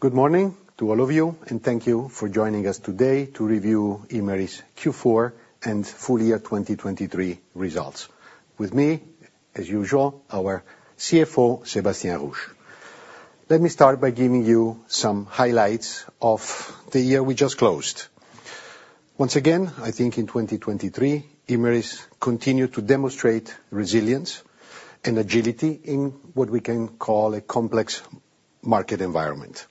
Good morning to all of you, and thank you for joining us today to review Imerys Q4 and full year 2023 results. With me, as usual, our CFO Sébastien Rouge. Let me start by giving you some highlights of the year we just closed. Once again, I think in 2023 Imerys continued to demonstrate resilience and agility in what we can call a complex market environment.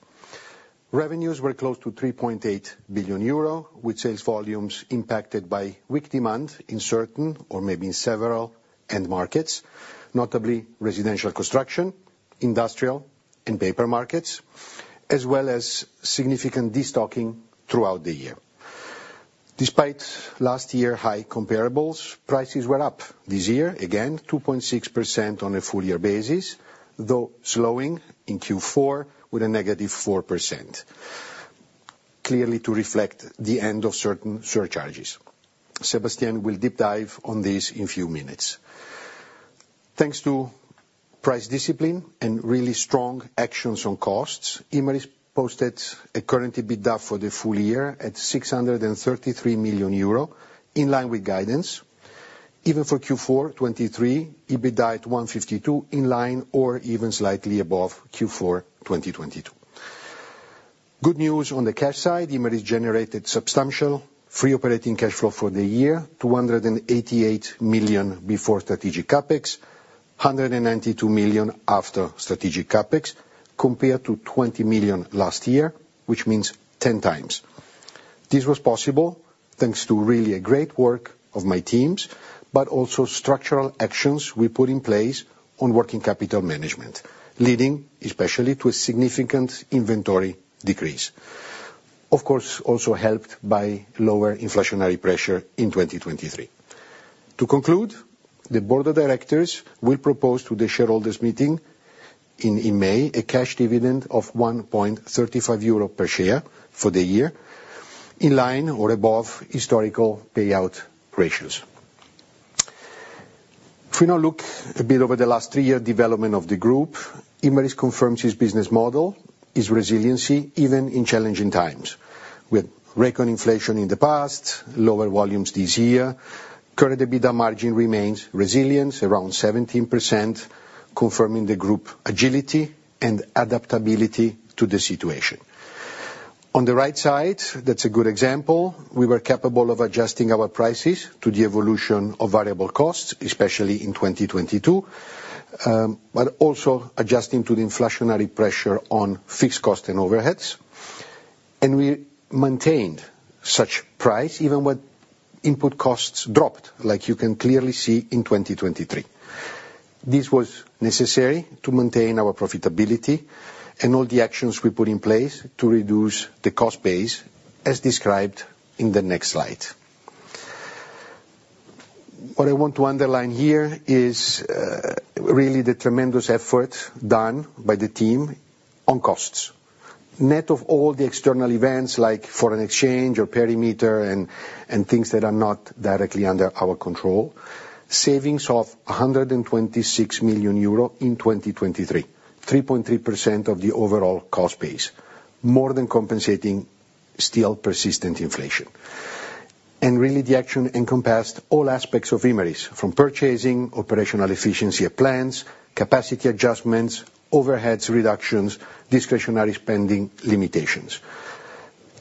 Revenues were close to 3.8 billion euro, with sales volumes impacted by weak demand in certain, or maybe in several, end markets, notably residential construction, industrial, and paper markets, as well as significant destocking throughout the year. Despite last year's high comparables, prices were up this year, again 2.6% on a full year basis, though slowing in Q4 with a -4%, clearly to reflect the end of certain surcharges. Sébastien will deep dive on this in a few minutes. Thanks to price discipline and really strong actions on costs, Imerys posted a Current EBITDA for the full year at 633 million euro, in line with guidance. Even for Q4 2023, EBITDA at 152 million, in line or even slightly above Q4 2022. Good news on the cash side: Imerys generated substantial free operating cash flow for the year, 288 million before strategic CapEx, 192 million after strategic CapEx, compared to 20 million last year, which means 10 times. This was possible thanks to really great work of my teams, but also structural actions we put in place on working capital management, leading especially to a significant inventory decrease, of course also helped by lower inflationary pressure in 2023. To conclude, the board of directors will propose to the shareholders' meeting in May a cash dividend of 1.35 euro per share for the year, in line or above historical payout ratios. If we now look a bit over the last three-year development of the group, Imerys confirms its business model, its resiliency even in challenging times. We had reckoned inflation in the past, lower volumes this year, Current EBITDA margin remains resilient, around 17%, confirming the group's agility and adaptability to the situation. On the right side, that's a good example, we were capable of adjusting our prices to the evolution of variable costs, especially in 2022, but also adjusting to the inflationary pressure on fixed costs and overheads, and we maintained such price even when input costs dropped, like you can clearly see in 2023. This was necessary to maintain our profitability and all the actions we put in place to reduce the cost base, as described in the next slide. What I want to underline here is really the tremendous effort done by the team on costs, net of all the external events like foreign exchange or perimeter and things that are not directly under our control, savings of 126 million euro in 2023, 3.3% of the overall cost base, more than compensating still persistent inflation. Really the action encompassed all aspects of Imerys, from purchasing, operational efficiency at plants, capacity adjustments, overhead reductions, discretionary spending limitations.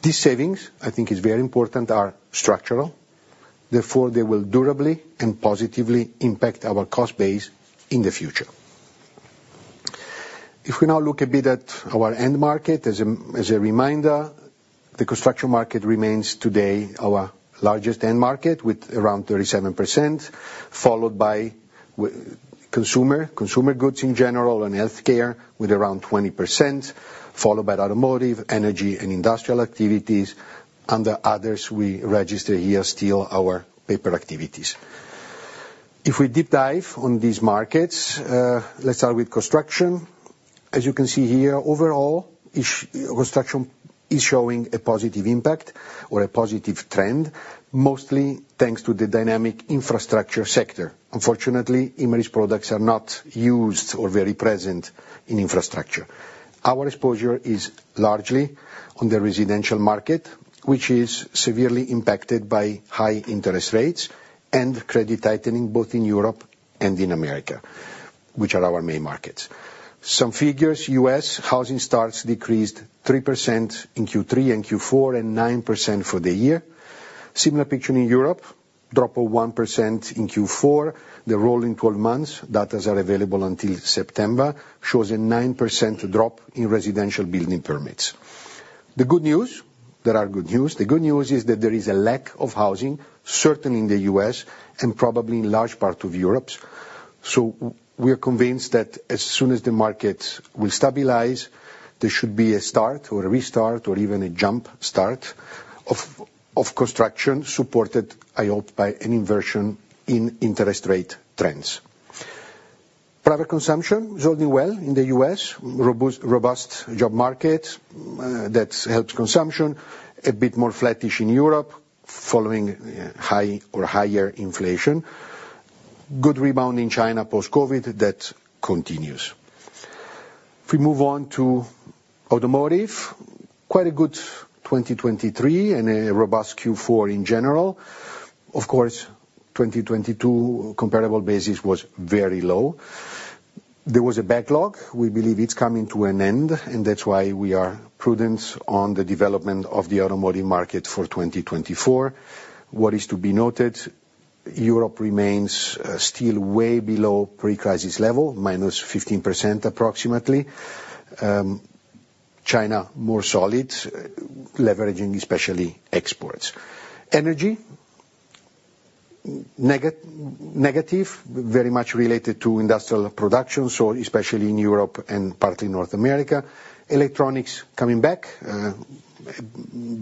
These savings, I think it's very important, are structural, therefore they will durably and positively impact our cost base in the future. If we now look a bit at our end market, as a reminder, the construction market remains today our largest end market with around 37%, followed by consumer goods in general and healthcare with around 20%, followed by automotive, energy, and industrial activities, and the others we register here still our paper activities. If we deep dive on these markets, let's start with construction. As you can see here, overall construction is showing a positive impact or a positive trend, mostly thanks to the dynamic infrastructure sector. Unfortunately, Imerys products are not used or very present in infrastructure. Our exposure is largely on the residential market, which is severely impacted by high interest rates and credit tightening both in Europe and in America, which are our main markets. Some figures: U.S. housing starts decreased 3% in Q3 and Q4 and 9% for the year. Similar picture in Europe, drop of 1% in Q4, the rolling 12 months, data are available until September, shows a 9% drop in residential building permits. The good news there are good news. The good news is that there is a lack of housing, certainly in the U.S. and probably in large parts of Europe, so we are convinced that as soon as the markets will stabilize, there should be a start or a restart or even a jump start of construction supported, I hope, by an inversion in interest rate trends. Private consumption is holding well in the U.S., robust job market that helps consumption, a bit more flattish in Europe following high or higher inflation, good rebound in China post-COVID that continues. If we move on to automotive, quite a good 2023 and a robust Q4 in general. Of course, 2022 comparable basis was very low. There was a backlog. We believe it's coming to an end, and that's why we are prudent on the development of the automotive market for 2024. What is to be noted: Europe remains still way below pre-crisis level, -15% approximately. China more solid, leveraging especially exports. Energy: negative, very much related to industrial production, so especially in Europe and partly North America. Electronics coming back,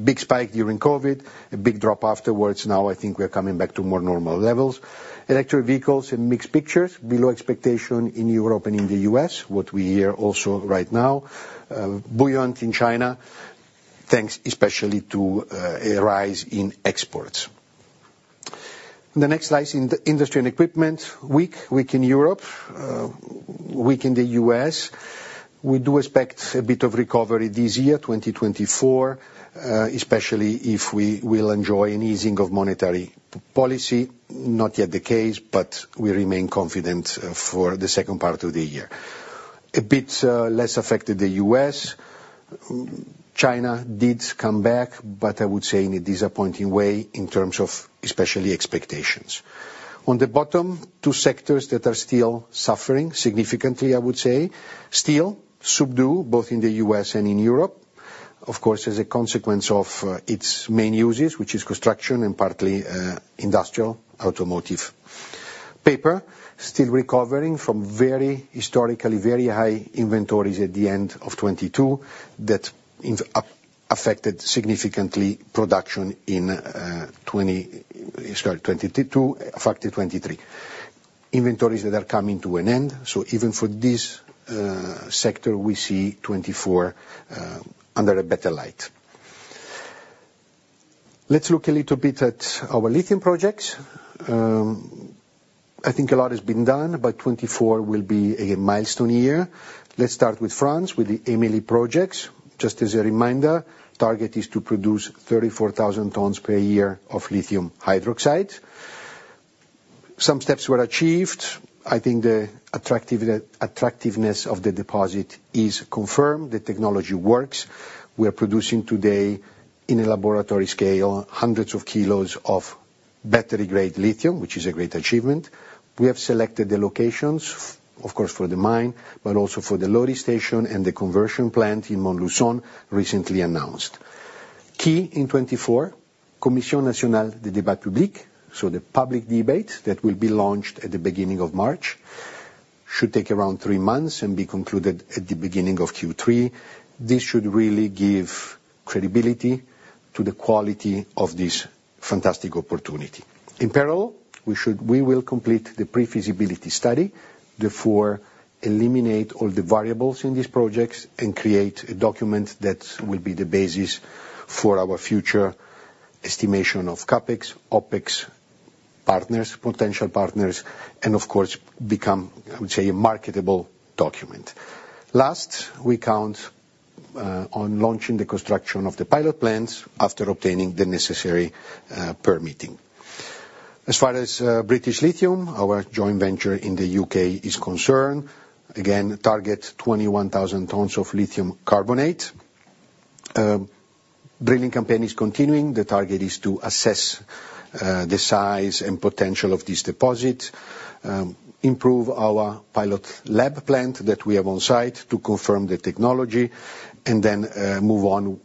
big spike during COVID, a big drop afterwards. Now I think we are coming back to more normal levels. Electric vehicles and mixed pictures, below expectation in Europe and in the US, what we hear also right now. Buoyant in China thanks especially to a rise in exports. The next slide is industry and equipment weak, weak in Europe, weak in the US. We do expect a bit of recovery this year, 2024, especially if we will enjoy an easing of monetary policy. Not yet the case, but we remain confident for the second part of the year. A bit less affected the US. China did come back, but I would say in a disappointing way in terms of especially expectations. On the bottom, two sectors that are still suffering significantly, I would say, still subdued both in the US and in Europe, of course as a consequence of its main uses, which is construction and partly industrial, automotive. Paper still recovering from very historically very high inventories at the end of 2022 that affected significantly production in 2022, affected 2023. Inventories that are coming to an end, so even for this sector we see 2024 under a better light. Let's look a little bit at our lithium projects. I think a lot has been done, but 2024 will be a milestone year. Let's start with France, with the EMILI project. Just as a reminder, the target is to produce 34,000 tons per year of lithium hydroxide. Some steps were achieved. I think the attractiveness of the deposit is confirmed, the technology works. We are producing today in a laboratory scale hundreds of kilos of battery-grade lithium, which is a great achievement. We have selected the locations, of course for the mine, but also for the loading station and the conversion plant in Montluçon, recently announced. Key in 2024: Commission Nationale du Débat Public, so the public debate that will be launched at the beginning of March, should take around three months and be concluded at the beginning of Q3. This should really give credibility to the quality of this fantastic opportunity. In parallel, we will complete the pre-feasibility study, therefore eliminate all the variables in these projects and create a document that will be the basis for our future estimation of CapEx, OpEx, partners, potential partners, and of course become, I would say, a marketable document. Last, we count on launching the construction of the pilot plants after obtaining the necessary permitting. As far as British Lithium, our joint venture in the UK is concerned, again target 21,000 tons of lithium carbonate. Drilling campaign is continuing. The target is to assess the size and potential of this deposit, improve our pilot lab plant that we have on site to confirm the technology, and then move on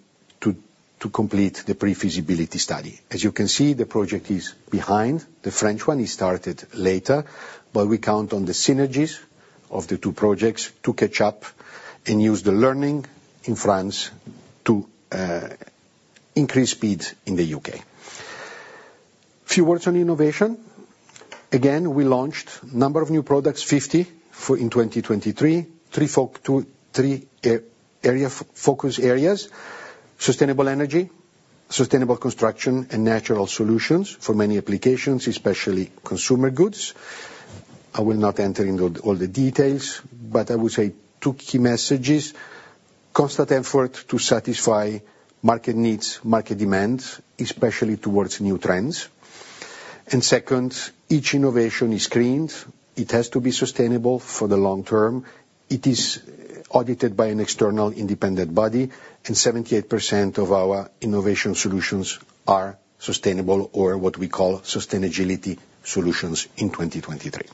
to complete the pre-feasibility study. As you can see, the project is behind, the French one started later, but we count on the synergies of the two projects to catch up and use the learning in France to increase speed in the UK. A few words on innovation: again, we launched a number of new products, 50 in 2023, three focus areas: sustainable energy, sustainable construction, and natural solutions for many applications, especially consumer goods. I will not enter into all the details, but I would say two key messages: constant effort to satisfy market needs, market demands, especially towards new trends. And second, each innovation is screened. It has to be sustainable for the long term. It is audited by an external independent body, and 78% of our innovation solutions are sustainable or what we call sustainability solutions in 2023.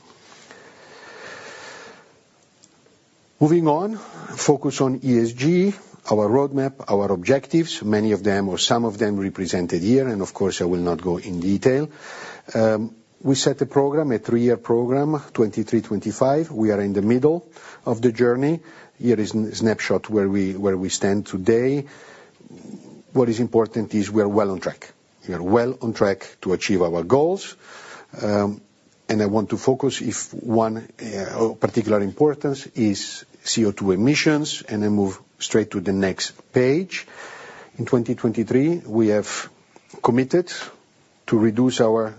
Moving on, focus on ESG, our roadmap, our objectives, many of them or some of them represented here, and of course I will not go in detail. We set a program, a three-year program, 2023-2025. We are in the middle of the journey. Here is a snapshot where we stand today. What is important is we are well on track. We are well on track to achieve our goals, and I want to focus, if one particular importance is CO2 emissions, and then move straight to the next page. In 2023, we have committed to reduce our CO2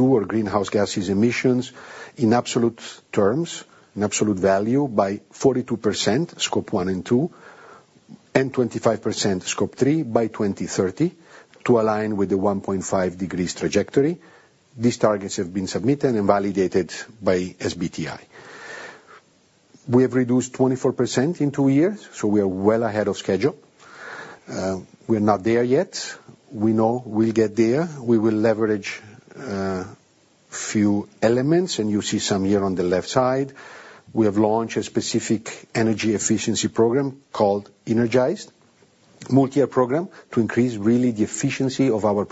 or greenhouse gases emissions in absolute terms, in absolute value by 42%, scope one and two, and 25%, scope three, by 2030 to align with the 1.5 degrees trajectory. These targets have been submitted and validated by SBTi. We have reduced 24% in two years, so we are well ahead of schedule. We are not there yet. We know we will get there. We will leverage a few elements, and you see some here on the left side. We have launched a specific energy efficiency program called I-Nergise, a multi-year program to increase really the efficiency of our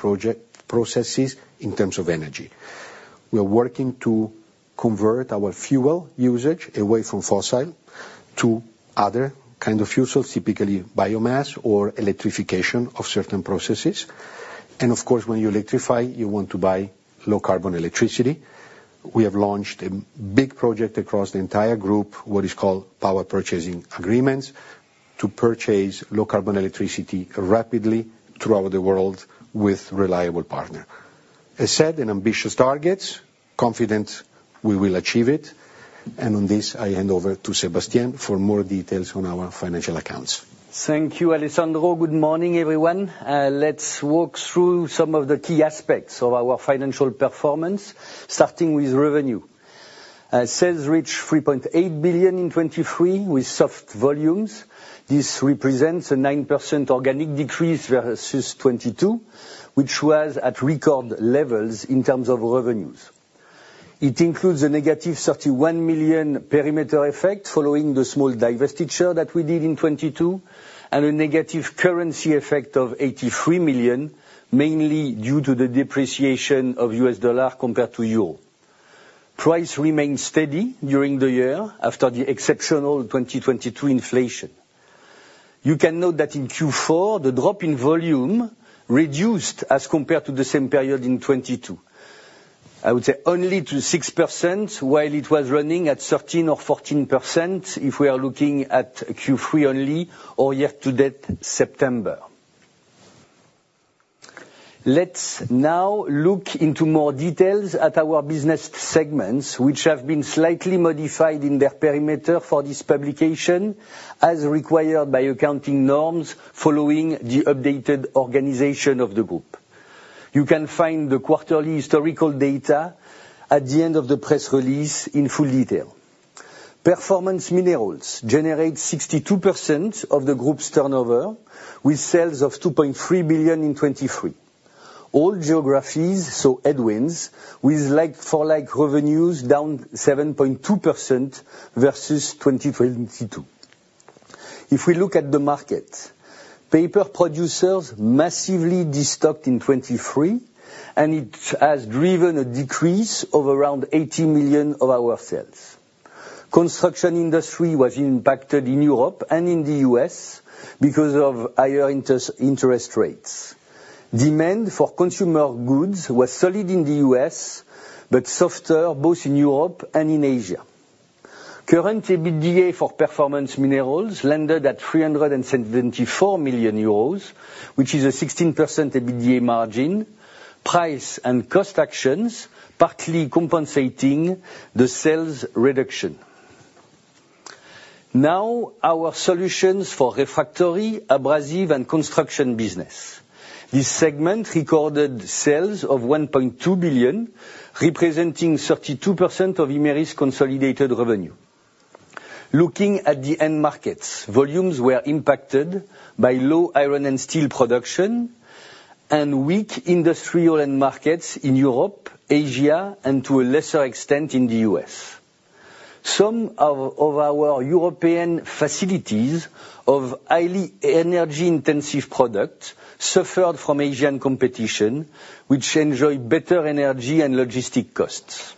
processes in terms of energy. We are working to convert our fuel usage away from fossil to other kinds of fuels, typically biomass or electrification of certain processes, and of course when you electrify, you want to buy low-carbon electricity. We have launched a big project across the entire group, what is called power purchasing agreements, to purchase low-carbon electricity rapidly throughout the world with a reliable partner. As said, ambitious targets, confident we will achieve it, and on this I hand over to Sébastien for more details on our financial accounts. Thank you, Alessandro. Good morning, everyone. Let's walk through some of the key aspects of our financial performance, starting with revenue. Sales reached 3.8 billion in 2023 with soft volumes. This represents a 9% organic decrease versus 2022, which was at record levels in terms of revenues. It includes a negative 31 million perimeter effect following the small divestiture that we did in 2022 and a negative currency effect of 83 million, mainly due to the depreciation of US dollar compared to euro. Price remained steady during the year after the exceptional 2022 inflation. You can note that in Q4 the drop in volume reduced as compared to the same period in 2022. I would say only to 6% while it was running at 13% or 14% if we are looking at Q3 only or year-to-date September. Let's now look into more details at our business segments, which have been slightly modified in their perimeter for this publication as required by accounting norms following the updated organization of the group. You can find the quarterly historical data at the end of the press release in full detail. Performance Minerals generate 62% of the group's turnover with sales of 2.3 billion in 2023. All geographies, so headwinds, with foreign revenues down 7.2% versus 2022. If we look at the market, paper producers massively destocked in 2023, and it has driven a decrease of around 80 million of our sales. Construction industry was impacted in Europe and in the US because of higher interest rates. Demand for consumer goods was solid in the US but softer both in Europe and in Asia. Current EBITDA for Performance Minerals landed at 374 million euros, which is a 16% EBITDA margin. Price and cost actions partly compensating the sales reduction. Now our solutions for refractory, abrasive, and construction business. This segment recorded sales of 1.2 billion, representing 32% of Imerys consolidated revenue. Looking at the end markets, volumes were impacted by low iron and steel production and weak industrial end markets in Europe, Asia, and to a lesser extent in the US. Some of our European facilities of highly energy-intensive products suffered from Asian competition, which enjoyed better energy and logistic costs.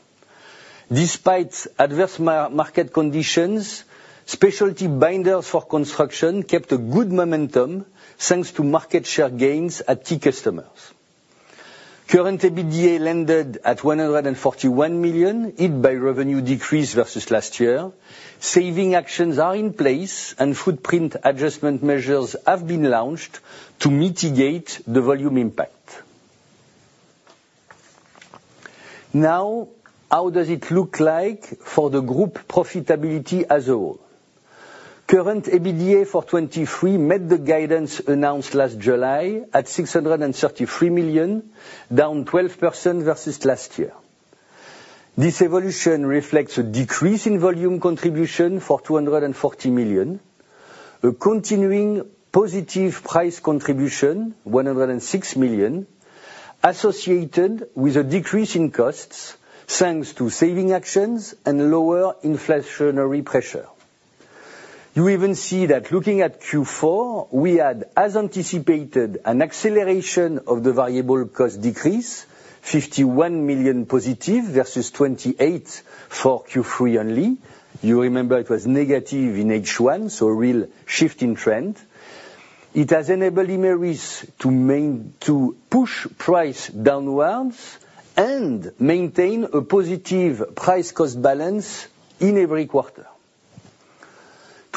Despite adverse market conditions, specialty binders for construction kept a good momentum thanks to market share gains at key customers. Current EBITDA landed at 141 million, hit by revenue decrease versus last year. Saving actions are in place, and footprint adjustment measures have been launched to mitigate the volume impact. Now how does it look like for the group profitability as a whole? Current EBITDA for 2023 met the guidance announced last July at 633 million, down 12% versus last year. This evolution reflects a decrease in volume contribution for 240 million, a continuing positive price contribution, 106 million, associated with a decrease in costs thanks to saving actions and lower inflationary pressure. You even see that looking at Q4, we had, as anticipated, an acceleration of the variable cost decrease, 51 million positive versus 28 million for Q3 only. You remember it was negative in H1, so a real shift in trend. It has enabled Imerys to push price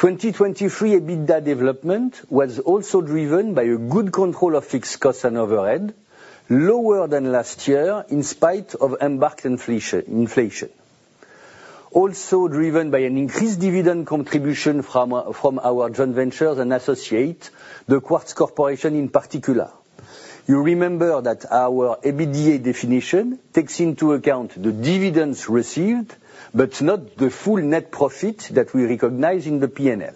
downwards and maintain a positive price-cost balance in every quarter. 2023 EBITDA development was also driven by a good control of fixed costs and overhead, lower than last year in spite of embarked inflation. Also driven by an increased dividend contribution from our joint ventures and associates, The Quartz Corp in particular. You remember that our EBITDA definition takes into account the dividends received but not the full net profit that we recognize in the P&L.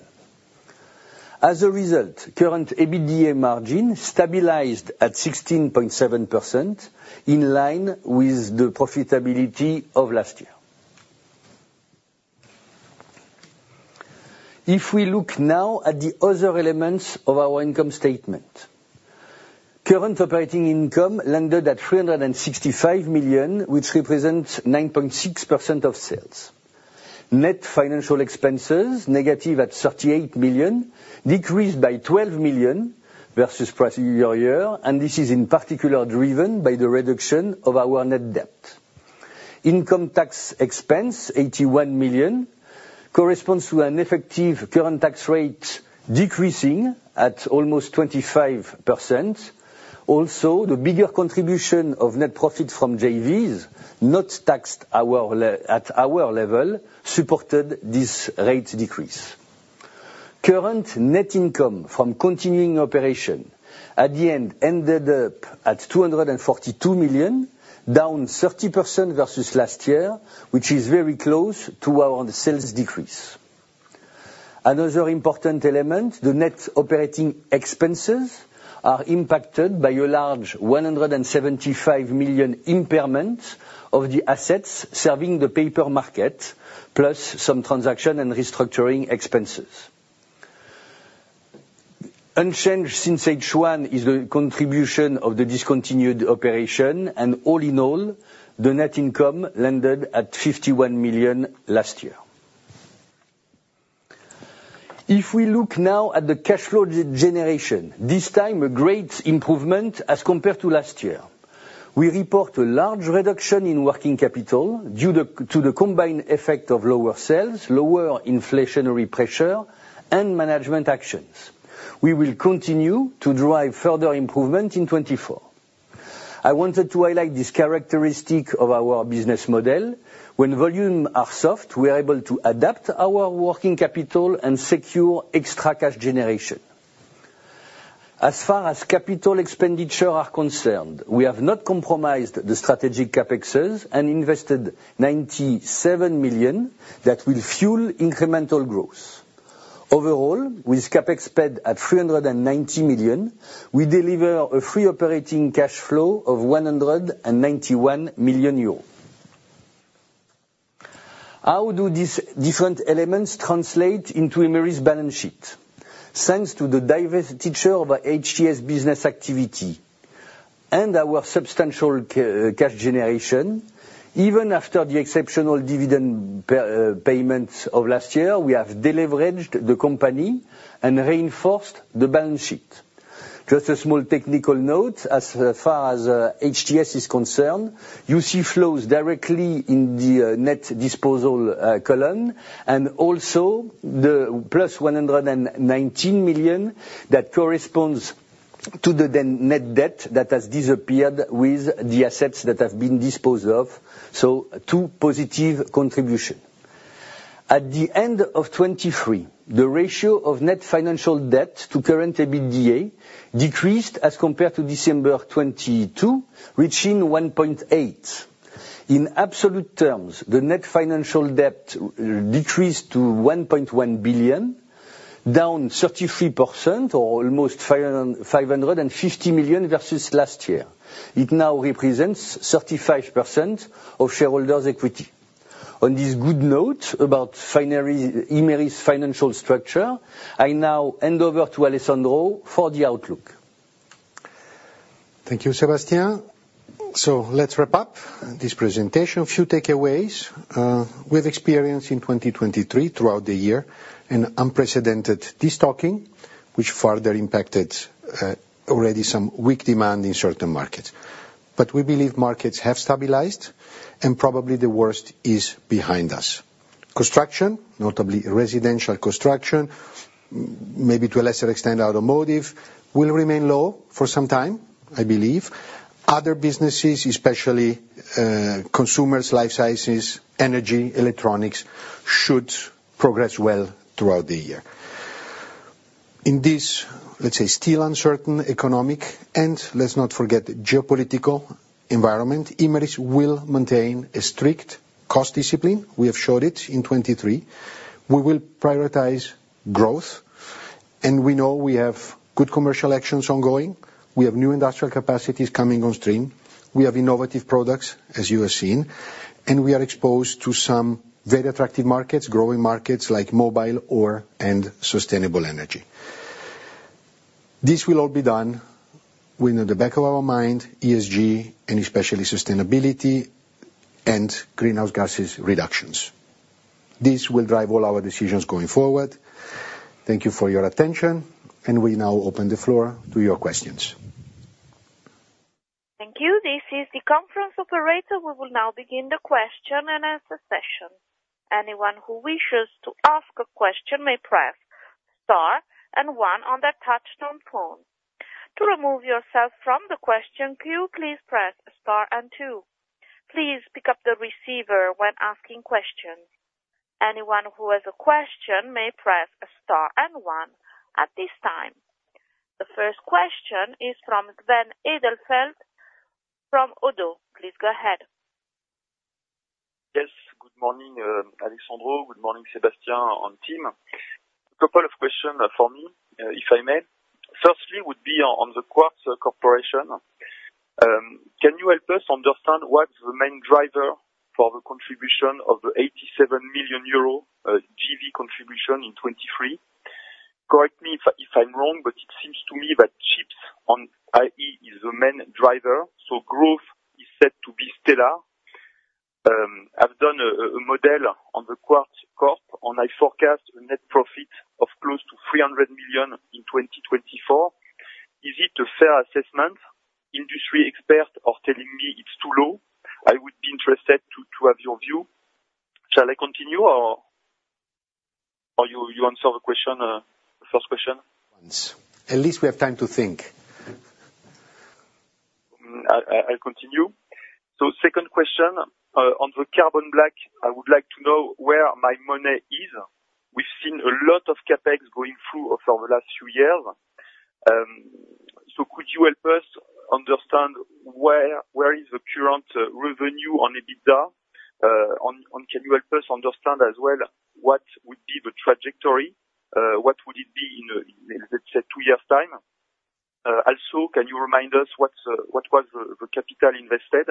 As a result, Current EBITDA margin stabilized at 16.7% in line with the profitability of last year. If we look now at the other elements of our income statement, current operating income landed at 365 million, which represents 9.6% of sales. Net financial expenses, negative at EUR 38 million, decreased by EUR 12 million versus prior year, and this is in particular driven by the reduction of our net debt. Income tax expense, EUR 81 million, corresponds to an effective current tax rate decreasing at almost 25%. Also, the bigger contribution of net profit from JVs, not taxed at our level, supported this rate decrease. Current net income from continuing operation, at the end, ended up at 242 million, down 30% versus last year, which is very close to our sales decrease. Another important element, the net operating expenses, are impacted by a large 175 million impairment of the assets serving the paper market, plus some transaction and restructuring expenses. Unchanged since H1 is the contribution of the discontinued operation, and all in all, the net income landed at 51 million last year. If we look now at the cash flow generation, this time a great improvement as compared to last year. We report a large reduction in working capital due to the combined effect of lower sales, lower inflationary pressure, and management actions. We will continue to drive further improvement in 2024. I wanted to highlight this characteristic of our business model. When volumes are soft, we are able to adapt our working capital and secure extra cash generation. As far as capital expenditure is concerned, we have not compromised the strategic CapExes and invested 97 million that will fuel incremental growth. Overall, with CapEx spent at 390 million, we deliver a free operating cash flow of 191 million euros. How do these different elements translate into Imerys' balance sheet? Thanks to the divestiture of HTS business activity and our substantial cash generation, even after the exceptional dividend payments of last year, we have deleveraged the company and reinforced the balance sheet. Just a small technical note, as far as HTS is concerned, you see flows directly in the net disposal column and also the plus 119 million that corresponds to the net debt that has disappeared with the assets that have been disposed of, so two positive contributions. At the end of 2023, the ratio of net financial debt to current EBITDA decreased as compared to December 2022, reaching 1.8. In absolute terms, the net financial debt decreased to 1.1 billion, down 33% or almost 550 million versus last year. It now represents 35% of shareholders' equity. On this good note about Imerys' financial structure, I now hand over to Alessandro for the outlook. Thank you, Sébastien. So let's wrap up this presentation. A few takeaways. We have experienced in 2023, throughout the year, an unprecedented destocking, which further impacted already some weak demand in certain markets. But we believe markets have stabilised, and probably the worst is behind us. Construction, notably residential construction, maybe to a lesser extent automotive, will remain low for some time, I believe. Other businesses, especially consumers, Life Sciences, energy, electronics, should progress well throughout the year. In this, let's say, still uncertain economic and, let's not forget, geopolitical environment, Imerys will maintain a strict cost discipline. We have showed it in 2023. We will prioritize growth, and we know we have good commercial actions ongoing. We have new industrial capacities coming on stream. We have innovative products, as you have seen, and we are exposed to some very attractive markets, growing markets like mobile or sustainable energy. This will all be done with the back of our mind, ESG, and especially sustainability and greenhouse gases reductions. This will drive all our decisions going forward. Thank you for your attention, and we now open the floor to your questions. Thank you. This is the conference operator. We will now begin the question and answer session. Anyone who wishes to ask a question may press star and one on their touch-tone phone. To remove yourself from the question queue, please press star and two. Please pick up the receiver when asking questions. Anyone who has a question may press star and one at this time. The first question is from Sven Edelfelt from Oddo. Please go ahead. Yes. Good morning, Alessandro. Good morning, Sébastien on team. A couple of questions for me, if I may. Firstly would be on the Quartz Corporation. Can you help us understand what's the main driver for the contribution of the 87 million euro GV contribution in 2023? Correct me if I'm wrong, but it seems to me that chips on AI is the main driver, so growth is said to be stellar. I've done a model on the Quartz Corp, and I forecast a net profit of close to 300 million in 2024. Is it a fair assessment? Industry experts are telling me it's too low. I would be interested to have your view. Shall I continue, or you answer the first question? Once. At least we have time to think. I'll continue. So second question. On the carbon black, I would like to know where my money is. We've seen a lot of CapEx going through over the last few years. So could you help us understand where is the current revenue on EBITDA? Can you help us understand as well what would be the trajectory? What would it be in, let's say, two years' time? Also, can you remind us what was the capital invested?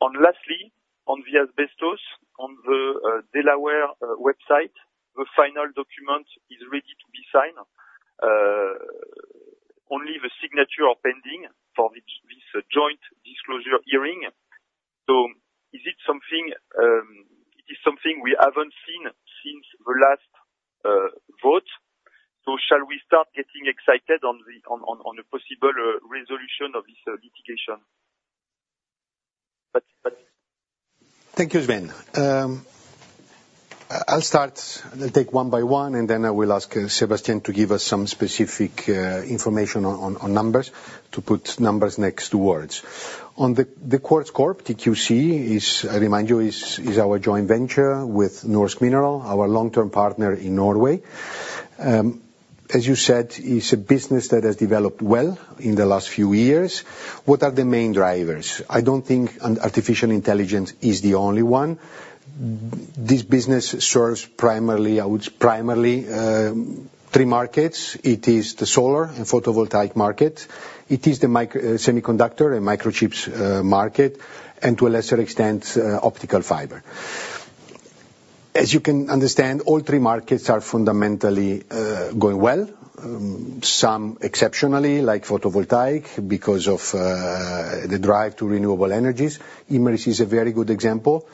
And lastly, on bestos, on the Delaware website, the final document is ready to be signed. Only the signature is pending for this joint disclosure hearing. So is it something we haven't seen since the last vote? So shall we start getting excited on a possible resolution of this litigation? Thank you, Sven. I'll start. I'll take one by one, and then I will ask Sébastien to give us some specific information on numbers to put numbers next to words. On The Quartz Corp, TQC, I remind you, is our joint venture with Norsk Mineral, our long-term partner in Norway. As you said, it's a business that has developed well in the last few years. What are the main drivers? I don't think artificial intelligence is the only one. This business serves primarily three markets. It is the solar and photovoltaic market. It is the semiconductor and microchips market, and to a lesser extent, optical fiber. As you can understand, all three markets are fundamentally going well, some exceptionally, like photovoltaic because of the drive to renewable energies. Imerys is a very good example.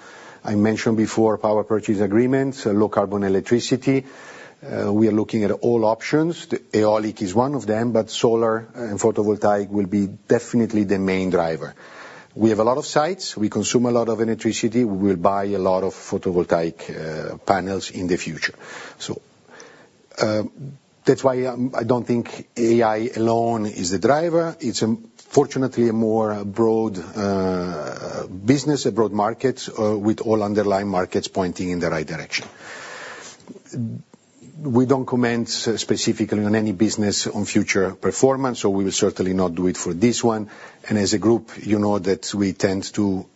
I mentioned before power purchase agreements, low-carbon electricity. We are looking at all options. The eolic is one of them, but solar and photovoltaic will be definitely the main driver. We have a lot of sites. We consume a lot of electricity. We will buy a lot of photovoltaic panels in the future. So that's why I don't think AI alone is the driver. It's, fortunately, a more broad business, a broad market, with all underlying markets pointing in the right direction. We don't comment specifically on any business on future performance, so we will certainly not do it for this one. And as a group, you know that we tend to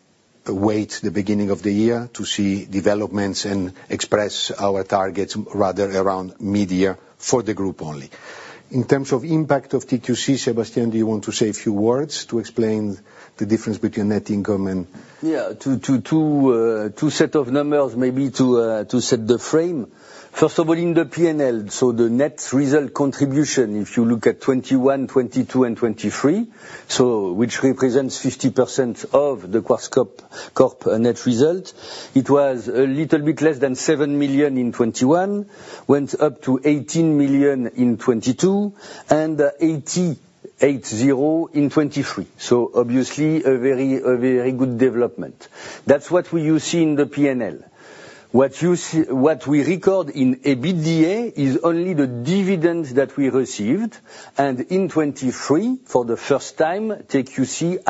wait the beginning of the year to see developments and express our targets rather around mid-year for the group only. In terms of impact of TQC, Sébastien, do you want to say a few words to explain the difference between net income and? Yeah. Two sets of numbers, maybe, to set the frame. First of all, in the P&L, so the net result contribution, if you look at 2021, 2022, and 2023, which represents 50% of the Quartz Corp net result, it was a little bit less than 7 million in 2021, went up to 18 million in 2022, and 880 million in 2023. So obviously, a very good development. That's what you see in the P&L. What we record in EBITDA is only the dividend that we received. And in 2023, for the first time, TQC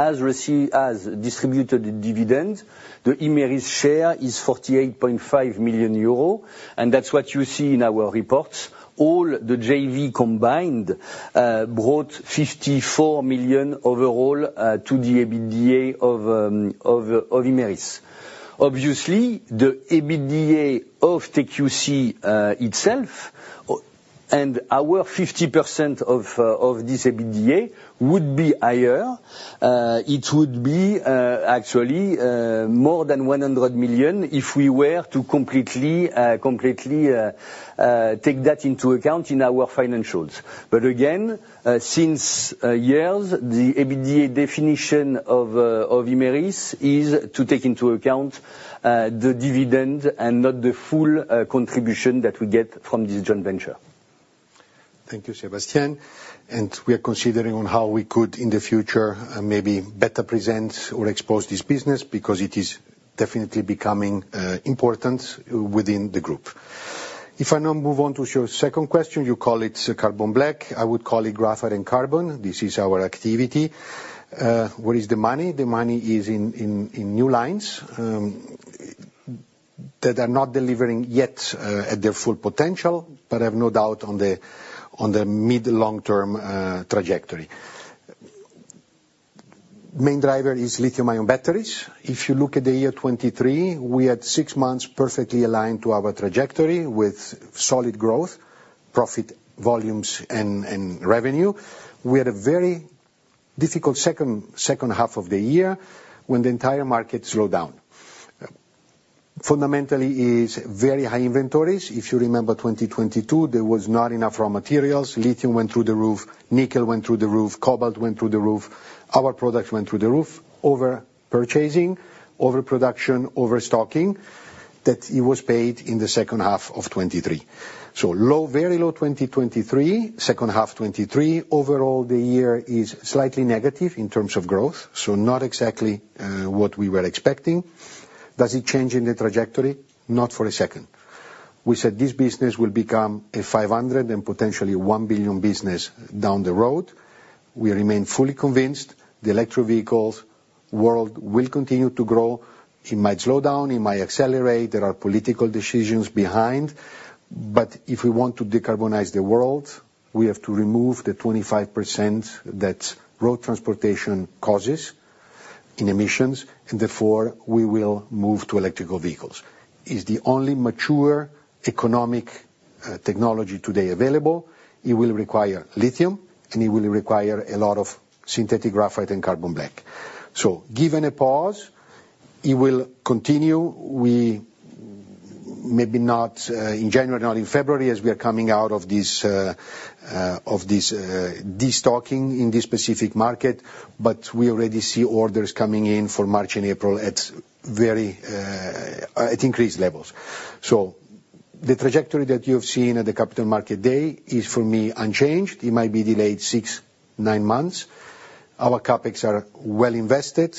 has distributed dividends. The Imerys share is 48.5 million euros, and that's what you see in our reports. All the JV combined brought 54 million overall to the EBITDA of Imerys. Obviously, the EBITDA of TQC itself and our 50% of this EBITDA would be higher. It would be, actually, more than 100 million if we were to completely take that into account in our financials. But again, since years, the EBITDA definition of Imerys is to take into account the dividend and not the full contribution that we get from this joint venture. Thank you, Sébastien. We are considering how we could, in the future, maybe better present or expose this business because it is definitely becoming important within the group. If I now move on to your second question, you call it carbon black. I would call it graphite and carbon. This is our activity. Where is the money? The money is in new lines that are not delivering yet at their full potential, but I have no doubt on the mid-long-term trajectory. Main driver is lithium-ion batteries. If you look at the year 2023, we had six months perfectly aligned to our trajectory with solid growth, profit volumes, and revenue. We had a very difficult second half of the year when the entire market slowed down. Fundamentally, it's very high inventories. If you remember 2022, there was not enough raw materials. Lithium went through the roof, nickel went through the roof, cobalt went through the roof. Our products went through the roof. Overpurchasing, overproduction, overstocking, that it was paid in the second half of 2023. So very low 2023, second half 2023. Overall, the year is slightly negative in terms of growth, so not exactly what we were expecting. Does it change in the trajectory? Not for a second. We said this business will become a 500 million and potentially 1 billion business down the road. We remain fully convinced the electric vehicles world will continue to grow. It might slow down. It might accelerate. There are political decisions behind. But if we want to decarbonize the world, we have to remove the 25% that road transportation causes in emissions, and therefore, we will move to electric vehicles. It's the only mature economic technology today available. It will require lithium, and it will require a lot of synthetic graphite and carbon black. So give it a pause. It will continue. Maybe not in January, not in February, as we are coming out of this destocking in this specific market, but we already see orders coming in for March and April at increased levels. So the trajectory that you have seen at the Capital Market Day is, for me, unchanged. It might be delayed six, nine months. Our CapEx are well invested.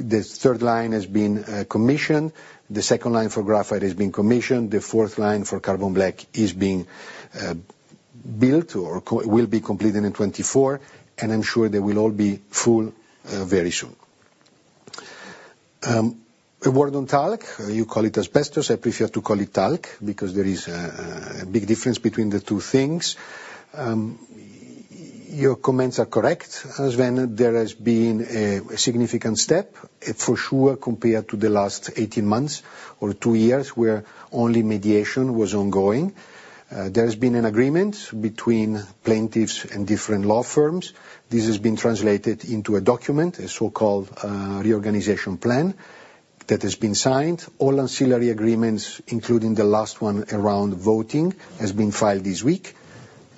The third line has been commissioned. The second line for graphite has been commissioned. The fourth line for carbon black is being built or will be completed in 2024, and I'm sure they will all be full very soon. A word on TALC. You call it asbestos. I prefer to call it TALC because there is a big difference between the two things. Your comments are correct, Sven. There has been a significant step, for sure, compared to the last 18 months or two years where only mediation was ongoing. There has been an agreement between plaintiffs and different law firms. This has been translated into a document, a so-called reorganization plan, that has been signed. All ancillary agreements, including the last one around voting, have been filed this week,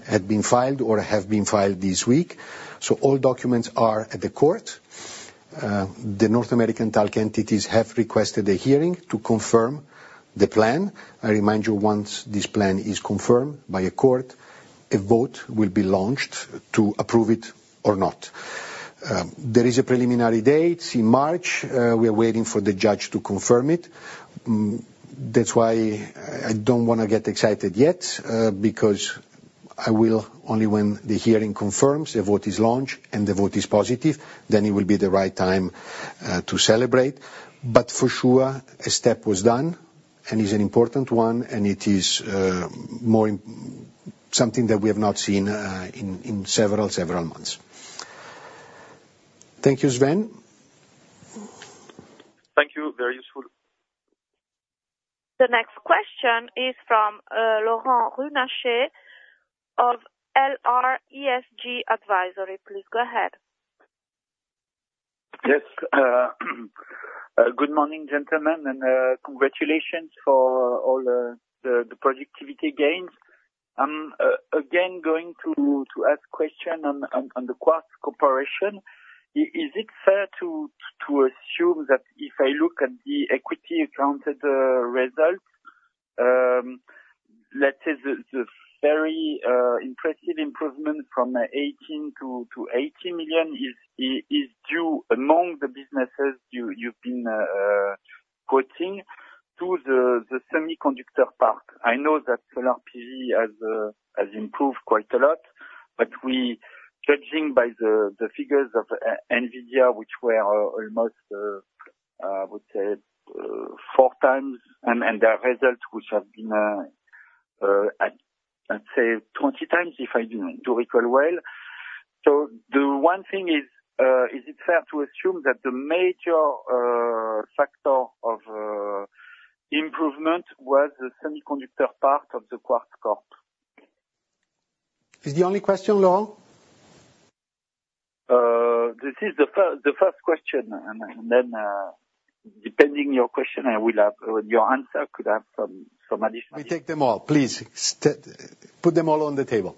had been filed or have been filed this week. So all documents are at the court. The North American TALC entities have requested a hearing to confirm the plan. I remind you, once this plan is confirmed by a court, a vote will be launched to approve it or not. There is a preliminary date in March. We are waiting for the judge to confirm it. That's why I don't want to get excited yet because only when the hearing confirms, a vote is launched, and the vote is positive, then it will be the right time to celebrate. But for sure, a step was done, and it's an important one, and it is something that we have not seen in several, several months. Thank you, Sven. Thank you. Very useful. The next question is from Laurent Runacher of LRESG Advisory. Please go ahead. Yes. Good morning, gentlemen, and congratulations for all the productivity gains. I'm again going to ask a question on the Quartz Corp.Is it fair to assume that if I look at the equity accounted results, let's say the very impressive improvement from 18 million-80 million is due among the businesses you've been quoting to the semiconductor part? I know that solar PV has improved quite a lot, but judging by the figures of NVIDIA, which were almost, I would say, 4 times, and their results, which have been, let's say, 20 times, if I do recall well. So the one thing is, is it fair to assume that the major factor of improvement was the semiconductor part of the Quartz Corp? Is the only question, Laurent? This is the first question, and then depending on your question, your answer could have some additional. We take them all. Please put them all on the table.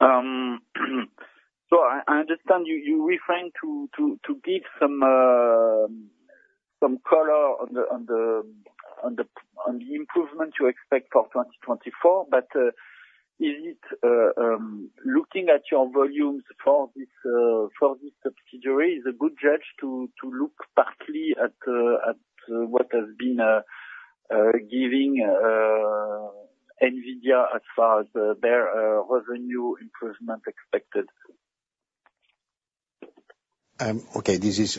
So I understand you refrain from giving some color on the improvement you expect for 2024, but is it looking at your volumes for this subsidiary is a good judge to look partly at what has been giving NVIDIA as far as their revenue improvement expected? Okay. This is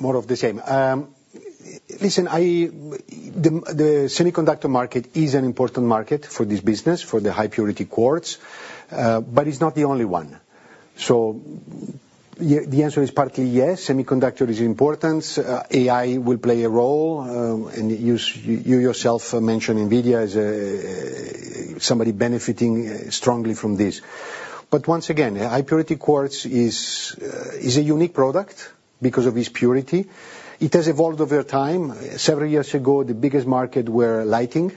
more of the same. Listen, the semiconductor market is an important market for this business, for the high-purity quartz, but it's not the only one. So the answer is partly yes. Semiconductor is important. AI will play a role. And you yourself mentioned NVIDIA as somebody benefiting strongly from this. But once again, high-purity quartz is a unique product because of its purity. It has evolved over time. Several years ago, the biggest markets were lighting.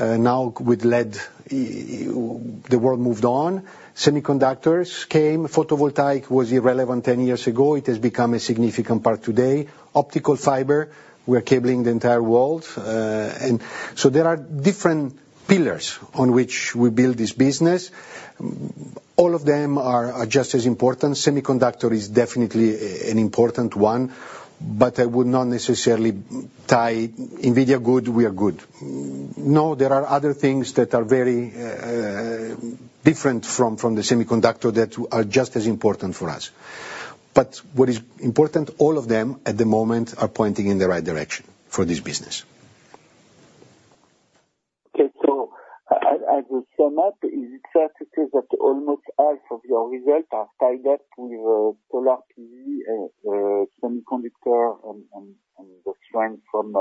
Now, with LED, the world moved on. Semiconductors came. Photovoltaic was irrelevant 10 years ago. It has become a significant part today. Optical fiber. We are cabling the entire world. So there are different pillars on which we build this business. All of them are just as important. Semiconductor is definitely an important one, but I would not necessarily tie NVIDIA good. We are good. No. There are other things that are very different from the semiconductor that are just as important for us. But what is important, all of them, at the moment, are pointing in the right direction for this business. Okay. So as we sum up, is it fair to say that almost half of your results are tied up with solar PV, semiconductor, and the strength from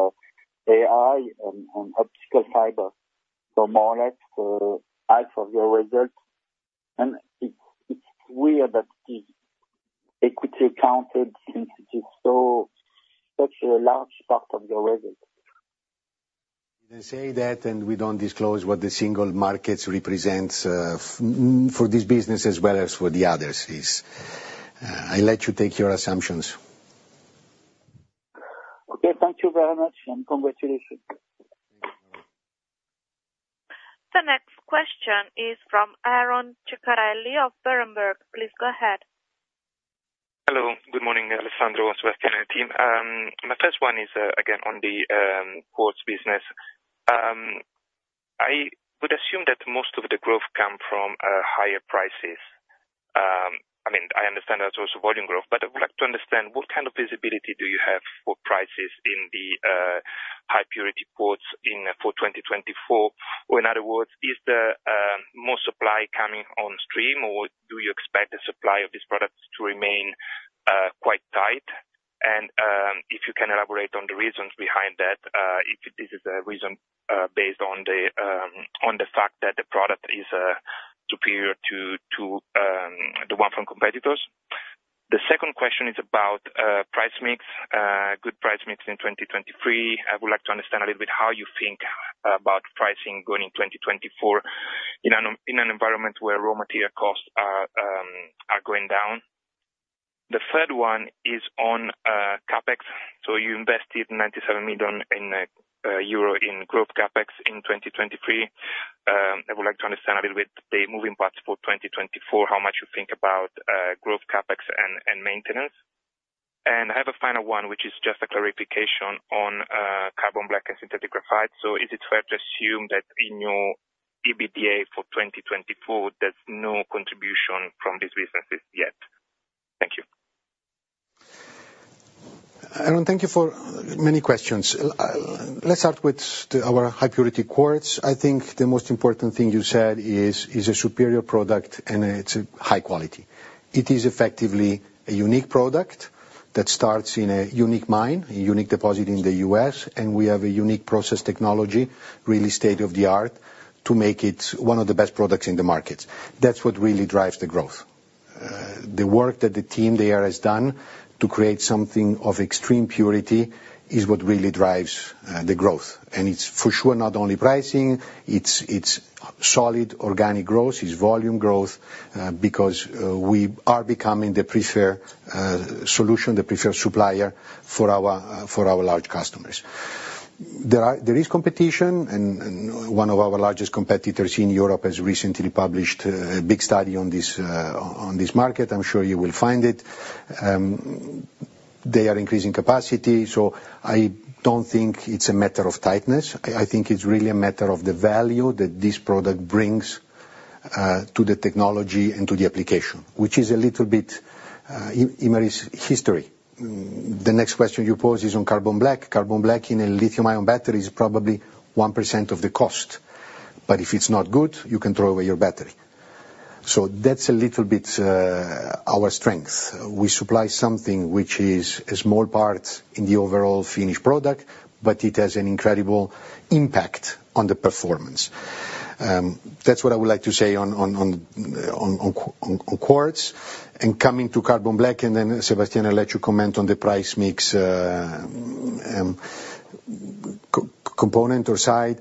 AI and optical fiber? So more or less half of your results. And it's weird that it is equity accounted since it is such a large part of your results. You can say that, and we don't disclose what the single market represents for this business as well as for the others. I let you take your assumptions Okay. Thank you very much, and congratulations. Thank you, Laurent. The next question is from Aron Cuccarelli of Berenberg. Please go ahead. Hello. Good morning, Alessandro Dazza, Sébastien Rouge team. My first one is, again, on the quartz business. I would assume that most of the growth comes from higher prices. I mean, I understand there's also volume growth, but I would like to understand what kind of visibility do you have for prices in the high-purity quartz for 2024? Or in other words, is there more supply coming on stream, or do you expect the supply of these products to remain quite tight? If you can elaborate on the reasons behind that, if this is a reason based on the fact that the product is superior to the one from competitors. The second question is about price mix, good price mix in 2023. I would like to understand a little bit how you think about pricing going in 2024 in an environment where raw material costs are going down? The third one is on CapEx. So you invested 97 million euro in growth CapEx in 2023. I would like to understand a little bit the moving parts for 2024, how much you think about growth CapEx and maintenance? And I have a final one, which is just a clarification on carbon black and synthetic graphite. So is it fair to assume that in your EBITDA for 2024, there's no contribution from these businesses yet? Thank you. Aron, thank you for many questions. Let's start with our high-purity quartz. I think the most important thing you said is it's a superior product, and it's high quality. It is effectively a unique product that starts in a unique mine, a unique deposit in the U.S., and we have a unique process technology, really state-of-the-art, to make it one of the best products in the markets. That's what really drives the growth. The work that the team there has done to create something of extreme purity is what really drives the growth. It's for sure not only pricing. It's solid organic growth. It's volume growth because we are becoming the preferred solution, the preferred supplier for our large customers. There is competition, and one of our largest competitors in Europe has recently published a big study on this market. I'm sure you will find it. They are increasing capacity. So I don't think it's a matter of tightness. I think it's really a matter of the value that this product brings to the technology and to the application, which is a little bit Imerys' history. The next question you pose is on carbon black. Carbon black in a lithium-ion battery is probably 1% of the cost. But if it's not good, you can throw away your battery. So that's a little bit our strength. We supply something which is a small part in the overall finished product, but it has an incredible impact on the performance. That's what I would like to say on quartz. And coming to carbon black, and then Sébastien, I'll let you comment on the price mix component or side.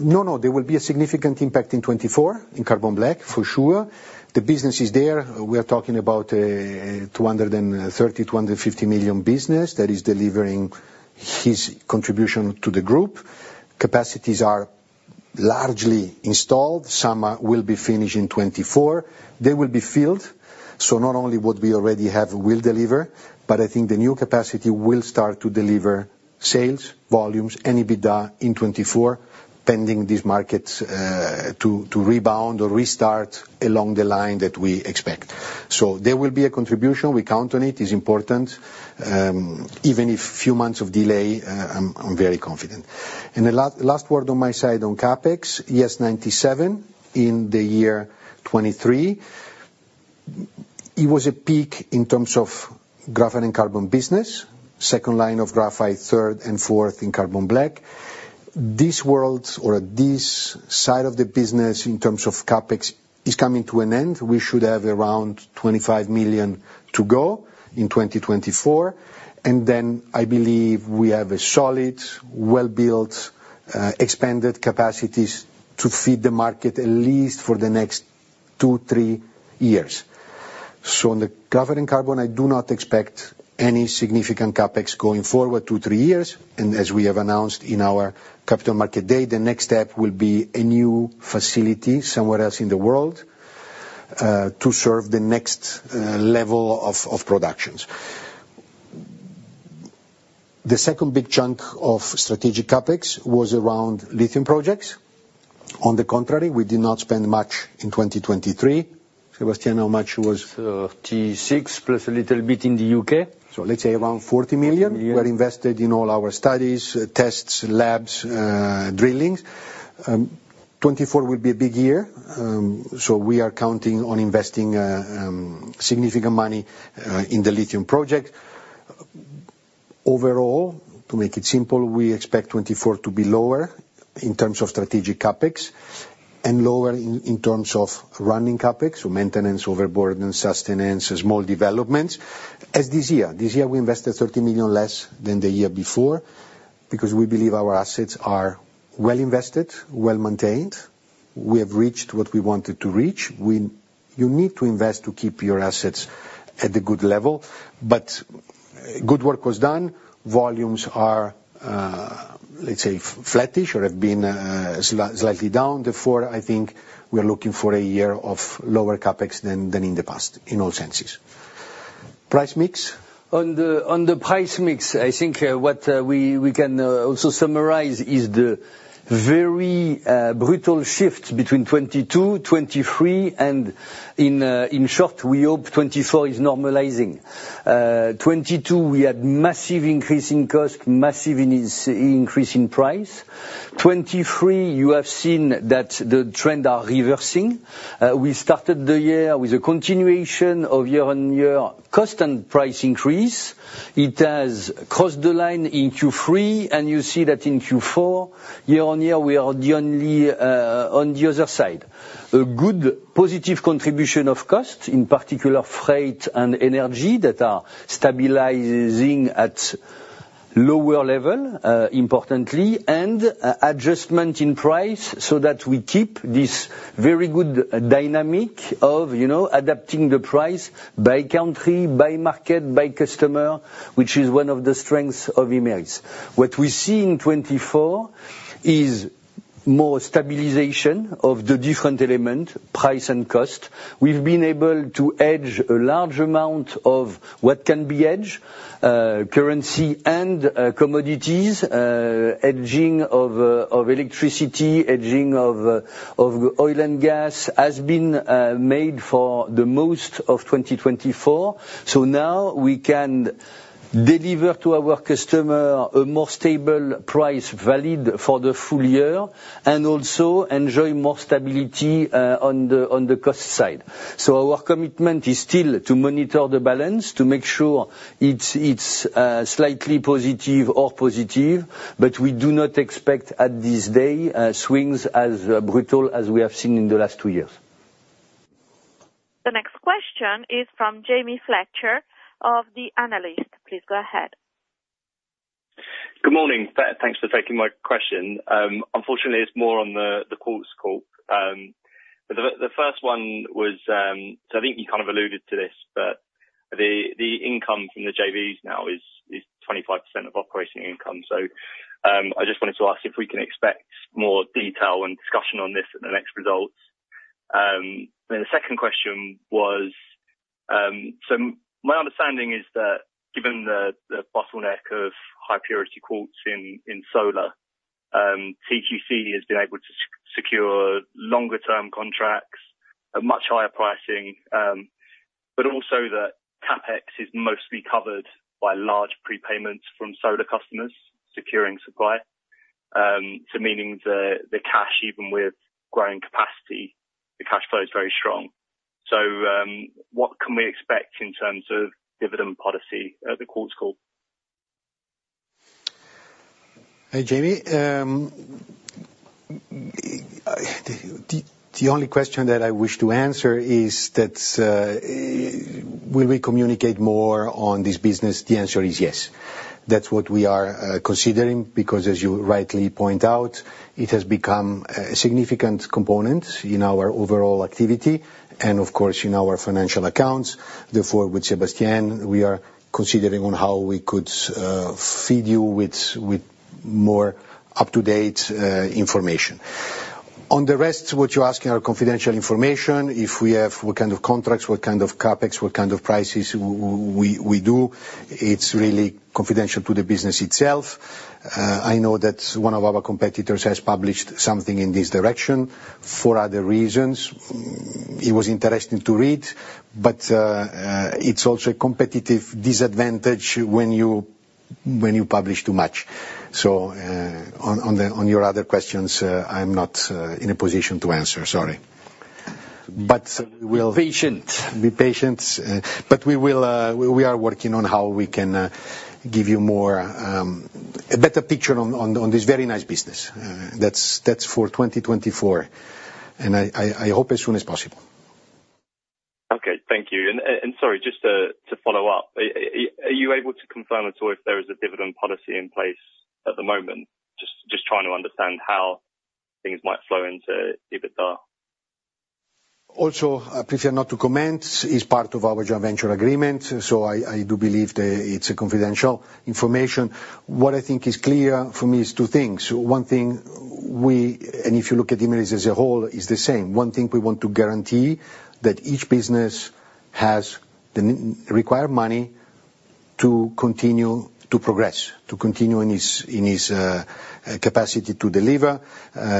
No, no. There will be a significant impact in 2024 in carbon black, for sure. The business is there. We are talking about a 230-250 million business that is delivering its contribution to the group. Capacities are largely installed. Some will be finished in 2024. They will be filled. So not only what we already have will deliver, but I think the new capacity will start to deliver sales, volumes, and EBITDA in 2024, pending these markets to rebound or restart along the line that we expect. So there will be a contribution. We count on it. It's important. Even if a few months of delay, I'm very confident. And the last word on my side on CapEx. Yes, 97 million in the year 2023. It was a peak in terms of graphite and carbon business, second line of graphite, third and fourth in carbon black. This side of the business in terms of CapEx is coming to an end. We should have around 25 million to go in 2024. And then I believe we have solid, well-built, expanded capacities to feed the market, at least for the next two, three years. So on the graphite and carbon, I do not expect any significant CapEx going forward two, three years. And as we have announced in our Capital Market Day, the next step will be a new facility somewhere else in the world to serve the next level of productions. The second big chunk of strategic CapEx was around lithium projects. On the contrary, we did not spend much in 2023. Sébastien, how much was? 36 plus a little bit in the UK. So let's say around 40 million were invested in all our studies, tests, labs, drillings. 2024 will be a big year. So we are counting on investing significant money in the lithium project. Overall, to make it simple, we expect 2024 to be lower in terms of strategic CapEx and lower in terms of running CapEx, so maintenance, overburden, sustenance, small developments as this year. This year, we invested 30 million less than the year before because we believe our assets are well invested, well maintained. We have reached what we wanted to reach. You need to invest to keep your assets at a good level. But good work was done. Volumes are, let's say, flattish or have been slightly down. Therefore, I think we are looking for a year of lower CapEx than in the past in all senses. Price mix? On the price mix, I think what we can also summarize is the very brutal shift between 2022, 2023, and in short, we hope 2024 is normalising. deliver to our customer a more stable price valid for the full year and also enjoy more stability on the cost side. So our commitment is still to monitor the balance, to make sure it's slightly positive or positive, but we do not expect at this day swings as brutal as we have seen in the last two years. The next question is from Jamie Fletcher of The Analyst. Please go ahead. Good morning. Thanks for taking my question. Unfortunately, it's more on the Quartz Corp. The first one was so I think you kind of alluded to this, but the income from the JVs now is 25% of operating income. So I just wanted to ask if we can expect more detail and discussion on this in the next results. And then the second question was, so my understanding is that given the bottleneck of high-purity quartz in solar, TQC has been able to secure longer-term contracts, much higher pricing, but also that CapEx is mostly covered by large prepayments from solar customers securing supply. So meaning the cash, even with growing capacity, the cash flow is very strong. So what can we expect in terms of dividend policy at The Quartz Corp? Hi, Jamie. The only question that I wish to answer is that will we communicate more on this business? The answer is yes. That's what we are considering because, as you rightly point out, it has become a significant component in our overall activity and, of course, in our financial accounts. Therefore, with Sébastien, we are considering on how we could feed you with more up-to-date information. On the rest, what you're asking are confidential information, if we have what kind of contracts, what kind of CapEx, what kind of prices we do. It's really confidential to the business itself. I know that one of our competitors has published something in this direction for other reasons. It was interesting to read, but it's also a competitive disadvantage when you publish too much. So on your other questions, I'm not in a position to answer. Sorry. But we will. Be patient. Be patient. But we are working on how we can give you a better picture on this very nice business. That's for 2024. And I hope as soon as possible. Okay. Thank you. And sorry, just to follow up, are you able to confirm at all if there is a dividend policy in place at the moment? Just trying to understand how things might flow into EBITDA. Also, I prefer not to comment. It's part of our joint venture agreement. So I do believe that it's confidential information. What I think is clear for me is two things. One thing, and if you look at Imerys as a whole, is the same. One thing we want to guarantee that each business has the required money to continue to progress, to continue in its capacity to deliver,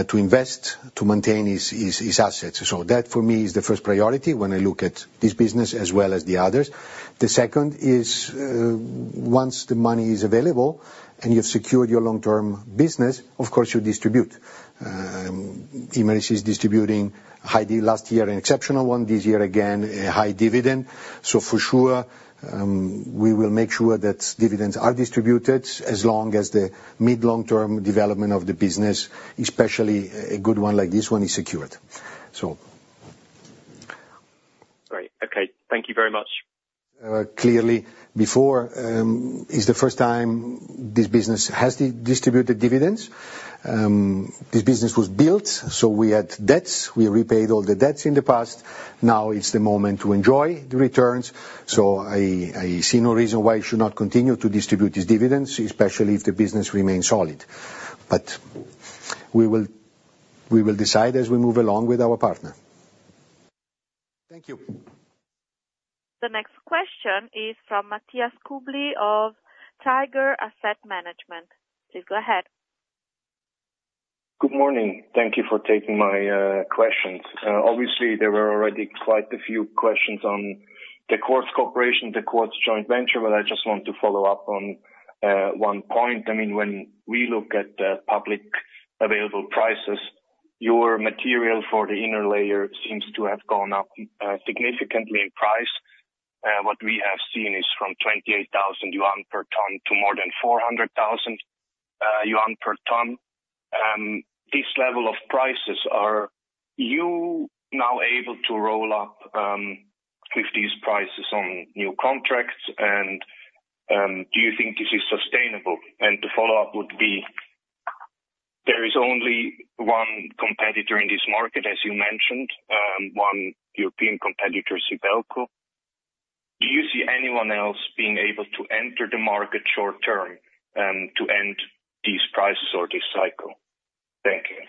to invest, to maintain its assets. So that, for me, is the first priority when I look at this business as well as the others. The second is once the money is available and you've secured your long-term business, of course, you distribute. Imerys is distributing last year an exceptional one, this year again, a high dividend. So for sure, we will make sure that dividends are distributed as long as the mid-long-term development of the business, especially a good one like this one, is secured. So. Great. Okay. Thank you very much. Clearly, before, it's the first time this business has distributed dividends. This business was built. So we had debts. We repaid all the debts in the past. Now it's the moment to enjoy the returns. So I see no reason why it should not continue to distribute its dividends, especially if the business remains solid. But we will decide as we move along with our partner. Thank you. The next question is from Matthias Kubli of Tiger Asset Management. Please go ahead. Good morning. Thank you for taking my questions. Obviously, there were already quite a few questions on The Quartz Corp, the Quartz joint venture, but I just want to follow up on one point. I mean, when we look at publicly available prices, your material for the inner layer seems to have gone up significantly in price. What we have seen is from 28,000 yuan per tonne to more than 400,000 yuan per tonne. This level of prices, are you now able to roll up with these prices on new contracts? And do you think this is sustainable? And to follow up would be, there is only one competitor in this market, as you mentioned, one European competitor, Sibelco. Do you see anyone else being able to enter the market short-term to end these prices or this cycle? Thank you.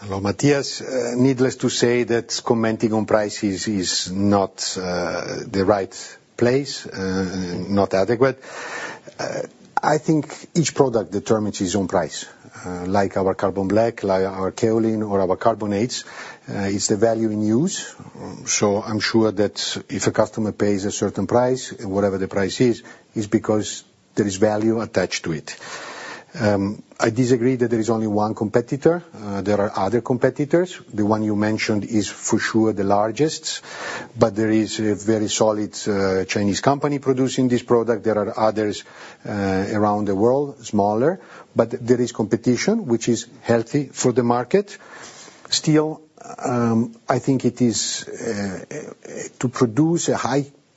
Hello, Matthias. Needless to say that commenting on prices is not the right place, not adequate. I think each product determines its own price. Like our carbon black, like our kaolin or our carbonates, it's the value in use. So I'm sure that if a customer pays a certain price, whatever the price is, it's because there is value attached to it. I disagree that there is only one competitor. There are other competitors. The one you mentioned is for sure the largest. But there is a very solid Chinese company producing this product. There are others around the world, smaller. But there is competition, which is healthy for the market. Still, I think it is to produce a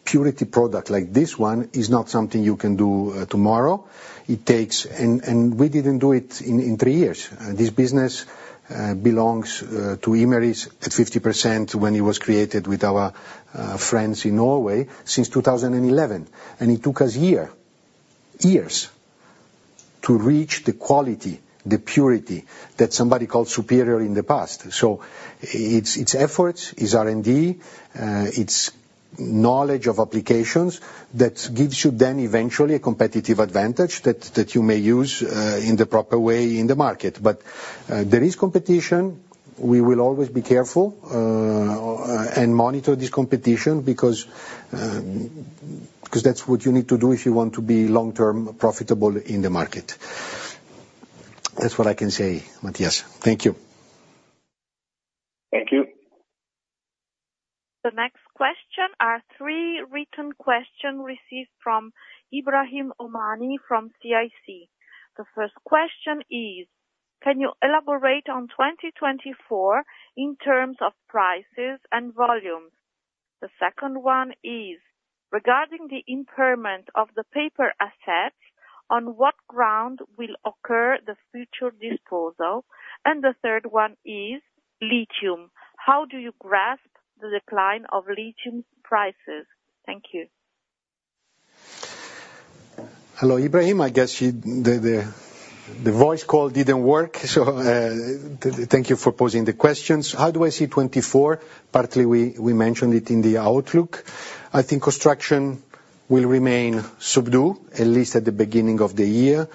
high-purity product like this one is not something you can do tomorrow. It takes and we didn't do it in three years. This business belongs to Imerys at 50% when it was created with our friends in Norway since 2011. It took us years, years to reach the quality, the purity that somebody called superior in the past. So it's efforts, it's R&D, it's knowledge of applications that gives you then eventually a competitive advantage that you may use in the proper way in the market. But there is competition. We will always be careful and monitor this competition because that's what you need to do if you want to be long-term profitable in the market. That's what I can say, Matthias. Thank you. Thank you. The next question are three written questions received from Ibrahim Hommani from CIC. The first question is, "Can you elaborate on 2024 in terms of prices and volumes?" The second one is, "Regarding the impairment of the paper assets, on what ground will occur the future disposal?" And the third one is, "Lithium, how do you grasp the decline of lithium prices? Thank you. Hello, Ibrahim. I guess the voice call didn't work. So thank you for posing the questions. How do I see 2024? Partly, we mentioned it in the outlook. I think construction will remain subdued, at least at the beginning of the year.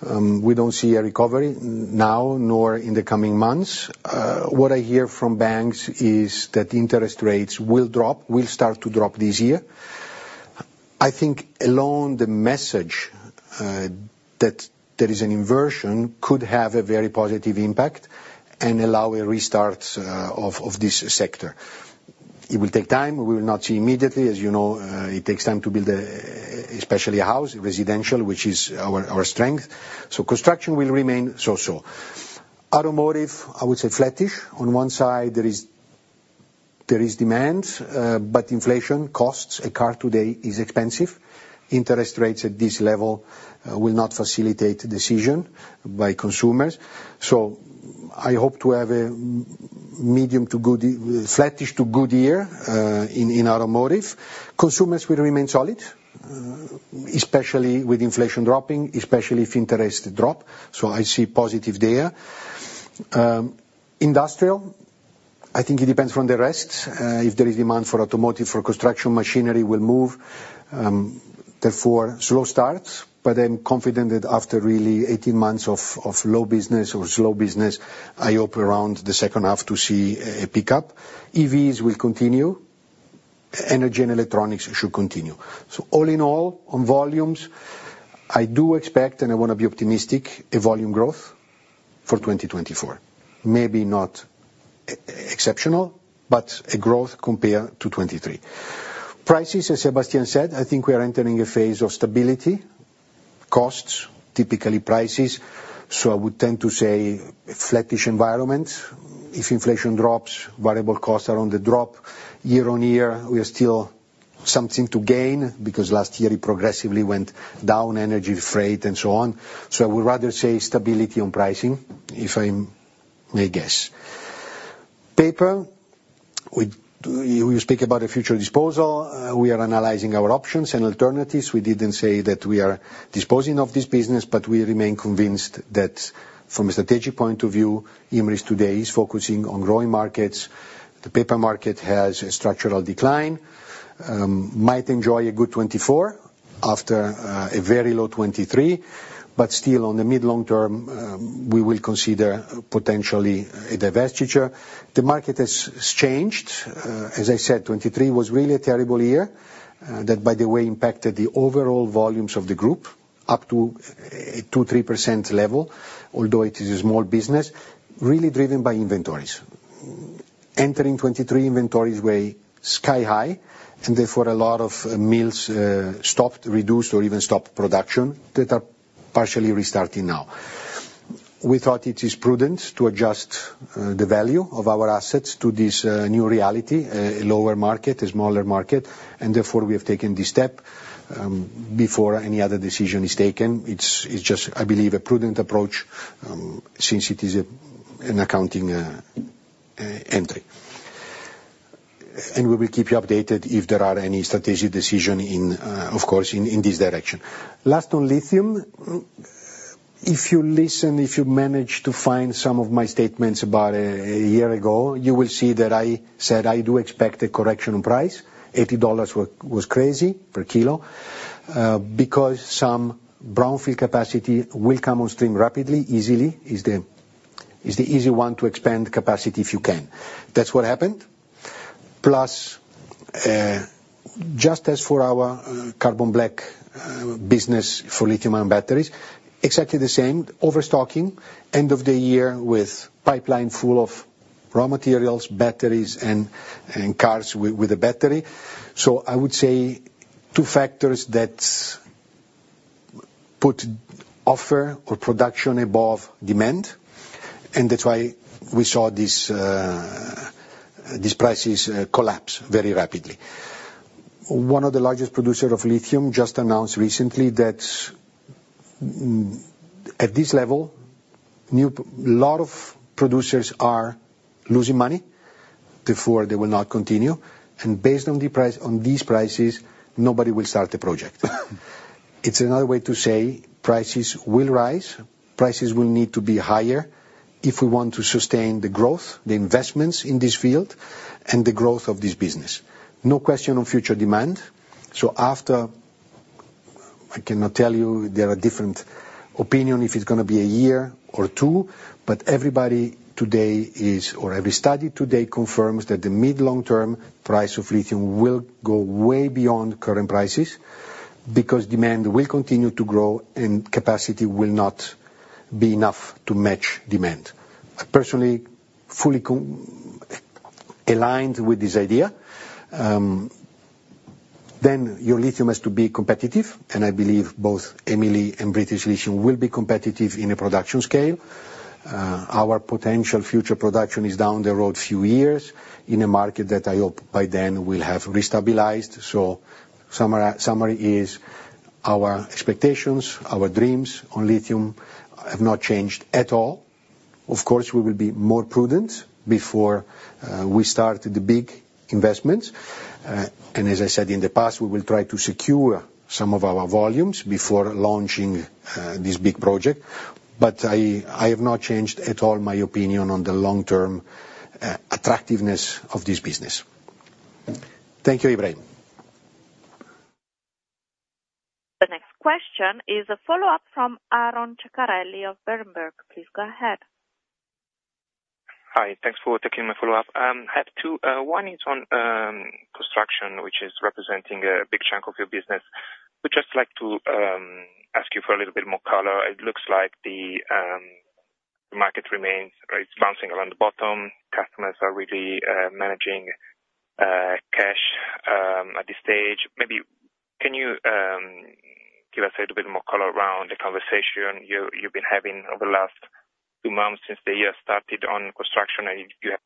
We don't see a recovery now nor in the coming months. What I hear from banks is that interest rates will drop, will start to drop this year. I think alone the message that there is an inversion could have a very positive impact and allow a restart of this sector. It will take time. We will not see immediately. As you know, it takes time to build especially a house, residential, which is our strength. So construction will remain so, so. Automotive, I would say flattish. On one side, there is demand, but inflation, costs. A car today is expensive. Interest rates at this level will not facilitate decision by consumers. So I hope to have a medium to good flattish to good year in automotive. Consumers will remain solid, especially with inflation dropping, especially if interests drop. So I see positive there. Industrial, I think it depends on the rest. If there is demand for automotive, for construction, machinery will move. Therefore, slow starts. But I'm confident that after really 18 months of low business or slow business, I hope around the second half to see a pickup. EVs will continue. Energy and electronics should continue. So all in all, on volumes, I do expect and I want to be optimistic a volume growth for 2024. Maybe not exceptional, but a growth compared to 2023. Prices, as Sébastien said, I think we are entering a phase of stability. Costs, typically prices. So I would tend to say flattish environment. If inflation drops, variable costs are on the drop year on year. We have still something to gain because last year it progressively went down, energy freight and so on. So I would rather say stability on pricing, if I may guess. Paper, you speak about a future disposal. We are analyzing our options and alternatives. We didn't say that we are disposing of this business, but we remain convinced that from a strategic point of view, Imerys today is focusing on growing markets. The paper market has a structural decline. Might enjoy a good 2024 after a very low 2023, but still on the mid-long-term, we will consider potentially a divestiture. The market has changed. As I said, 2023 was really a terrible year that, by the way, impacted the overall volumes of the group up to a 2%-3% level, although it is a small business, really driven by inventories. Entering 2023, inventories were sky-high and therefore a lot of mills stopped, reduced, or even stopped production that are partially restarting now. We thought it is prudent to adjust the value of our assets to this new reality, a lower market, a smaller market. Therefore, we have taken this step before any other decision is taken. It's just, I believe, a prudent approach since it is an accounting entry. We will keep you updated if there are any strategic decisions, of course, in this direction. Last on lithium, if you listen, if you manage to find some of my statements about a year ago, you will see that I said I do expect a correction in price. $80 was crazy per kilo because some brownfield capacity will come on stream rapidly, easily. It's the easy one to expand capacity if you can. That's what happened. Plus, just as for our carbon black business for lithium-ion batteries, exactly the same, overstocking, end of the year with pipeline full of raw materials, batteries, and cars with a battery. So I would say two factors that put supply or production above demand. And that's why we saw these prices collapse very rapidly. One of the largest producers of lithium just announced recently that at this level, a lot of producers are losing money. Therefore, they will not continue. And based on these prices, nobody will start a project. It's another way to say prices will rise. Prices will need to be higher if we want to sustain the growth, the investments in this field, and the growth of this business. No question on future demand. So after, I cannot tell you, there are different opinions if it's going to be a year or two. But everybody today is, or every study today confirms that the mid-long-term price of lithium will go way beyond current prices because demand will continue to grow and capacity will not be enough to match demand. I personally fully aligned with this idea. Then your lithium has to be competitive. And I believe both EMILI and British Lithium will be competitive in a production scale. Our potential future production is down the road few years in a market that I hope by then will have re-stabilised. Summary is our expectations, our dreams on lithium have not changed at all. Of course, we will be more prudent before we start the big investments. And as I said in the past, we will try to secure some of our volumes before launching this big project. But I have not changed at all my opinion on the long-term attractiveness of this business. Thank you, Ibrahim. The next question is a follow-up from Aron Cuccarelli of Berenberg. Please go ahead. Hi. Thanks for taking my follow-up. One is on construction, which is representing a big chunk of your business. We'd just like to ask you for a little bit more color. It looks like the market remains; it's bouncing around the bottom. Customers are really managing cash at this stage. Maybe can you give us a little bit more color around the conversation you've been having over the last two months since the year started on construction and you have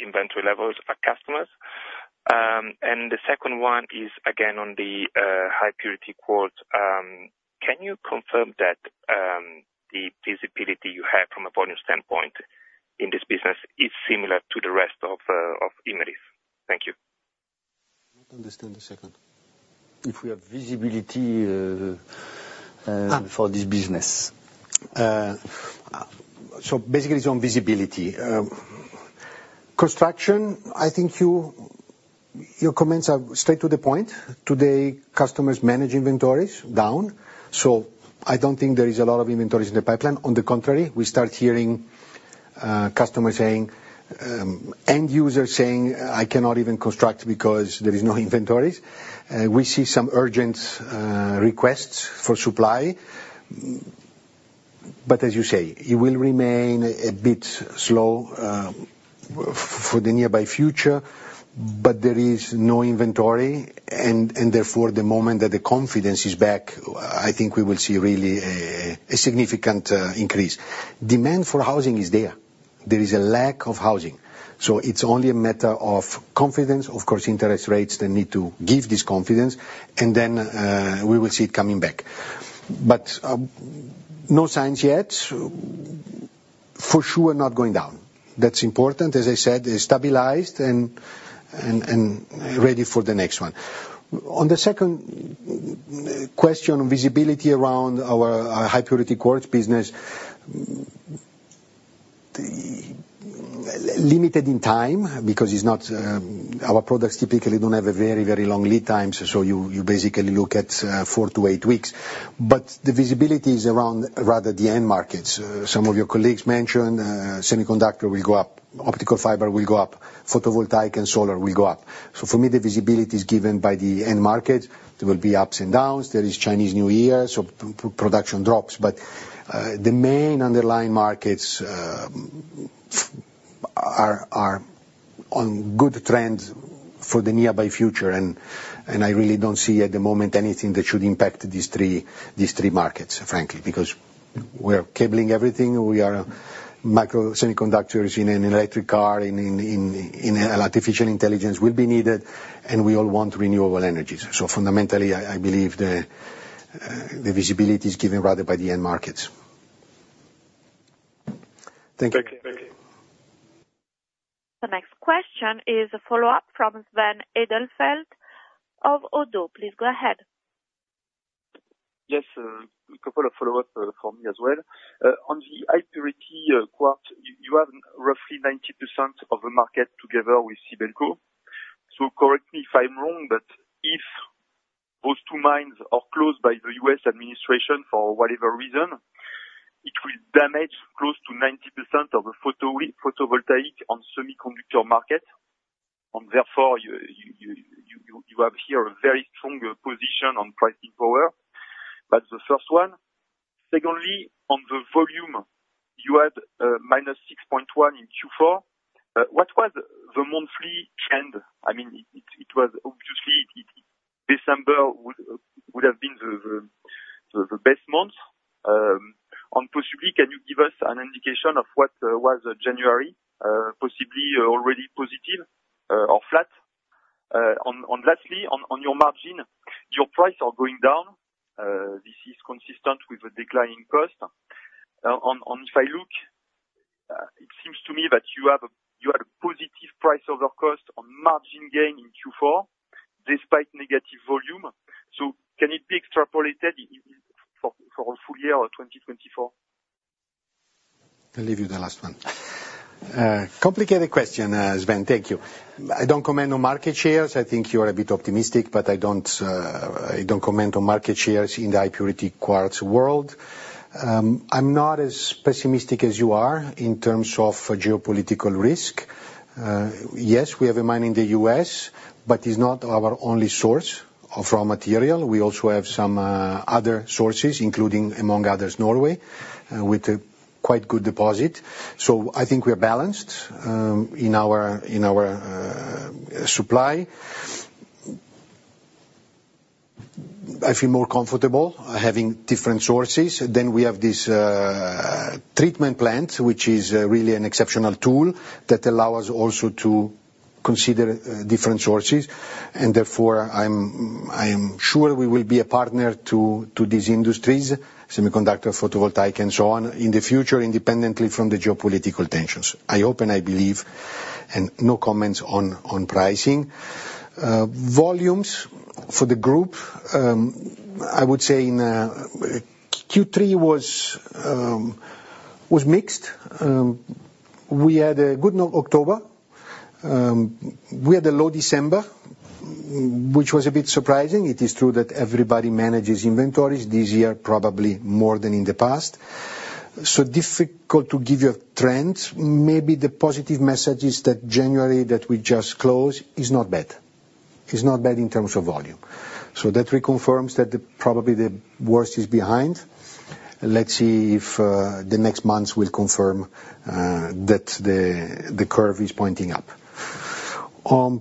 inventory levels at customers? And the second one is, again, on the high-purity quartz. Can you confirm that the visibility you have from a volume standpoint in this business is similar to the rest of Imerys? Thank you. I want to understand a second. If we have visibility for this business. So basically, it's on visibility. Construction, I think your comments are straight to the point. Today, customers manage inventories down. So I don't think there is a lot of inventories in the pipeline. On the contrary, we start hearing customers saying, end users saying, "I cannot even construct because there are no inventories." We see some urgent requests for supply. But as you say, it will remain a bit slow for the nearby future. But there is no inventory. And therefore, the moment that the confidence is back, I think we will see really a significant increase. Demand for housing is there. There is a lack of housing. So it's only a matter of confidence. Of course, interest rates then need to give this confidence. And then we will see it coming back. But no signs yet. For sure, not going down. That's important. As I said, it's stabilized and ready for the next one. On the second question, visibility around business, limited in time because it's not our products typically don't have very, very long lead times. So you basically look at 4-8 weeks. But the visibility is around rather the end markets. Some of your colleagues mentioned semiconductor will go up, optical fiber will go up, photovoltaic and solar will go up. So for me, the visibility is given by the end markets. There will be ups and downs. There is Chinese New Year, so production drops. But the main underlying markets are on good trend for the nearby future. And I really don't see at the moment anything that should impact these three markets, frankly, because we are cabling everything. We are microsemiconductors in an electric car. Artificial intelligence will be needed. And we all want renewable energies. So fundamentally, I believe the visibility is given rather by the end markets. Thank you. Thank you. The next question is a follow-up from Sven Edelfelt of Oddo. Please go ahead. Yes. A couple of follow-ups from me as well. On the high-purity quartz, you have roughly 90% of the market together with Sibelco. So correct me if I'm wrong, but if those two mines are closed by the U.S. administration for whatever reason, it will damage close to 90% of the photovoltaic and semiconductor market. And therefore, you have here a very strong position on pricing power. But the first one. Secondly, on the volume, you had -6.1% in Q4. What was the monthly trend? I mean, it was obviously December would have been the best month. And possibly, can you give us an indication of what was January? Possibly already positive or flat. And lastly, on your margin, your prices are going down. This is consistent with a declining cost. And if I look, it seems to me that you had a positive price over cost on margin gain in Q4 despite negative volume. So can it be extrapolated for a full year 2024? I'll leave you the last one. Complicated question, Sven. Thank you. I don't comment on market shares. I think you are a bit optimistic, but I don't comment on market shares in the High Purity Quartz world. I'm not as pessimistic as you are in terms of geopolitical risk. Yes, we have a mine in the U.S., but it's not our only source of raw material. We also have some other sources, including, among others, Norway with a quite good deposit. So I think we are balanced in our supply. I feel more comfortable having different sources. Then we have this treatment plant, which is really an exceptional tool that allows us also to consider different sources. And therefore, I'm sure we will be a partner to these industries, semiconductor, photovoltaic, and so on in the future, independently from the geopolitical tensions. I hope and I believe, and no comments on pricing. Volumes for the group, I would say in Q3 was mixed. We had a good October. We had a low December, which was a bit surprising. It is true that everybody manages inventories this year, probably more than in the past. So difficult to give you a trend. Maybe the positive message is that January that we just closed is not bad. It's not bad in terms of volume. So that reconfirms that probably the worst is behind. Let's see if the next months will confirm that the curve is pointing up. On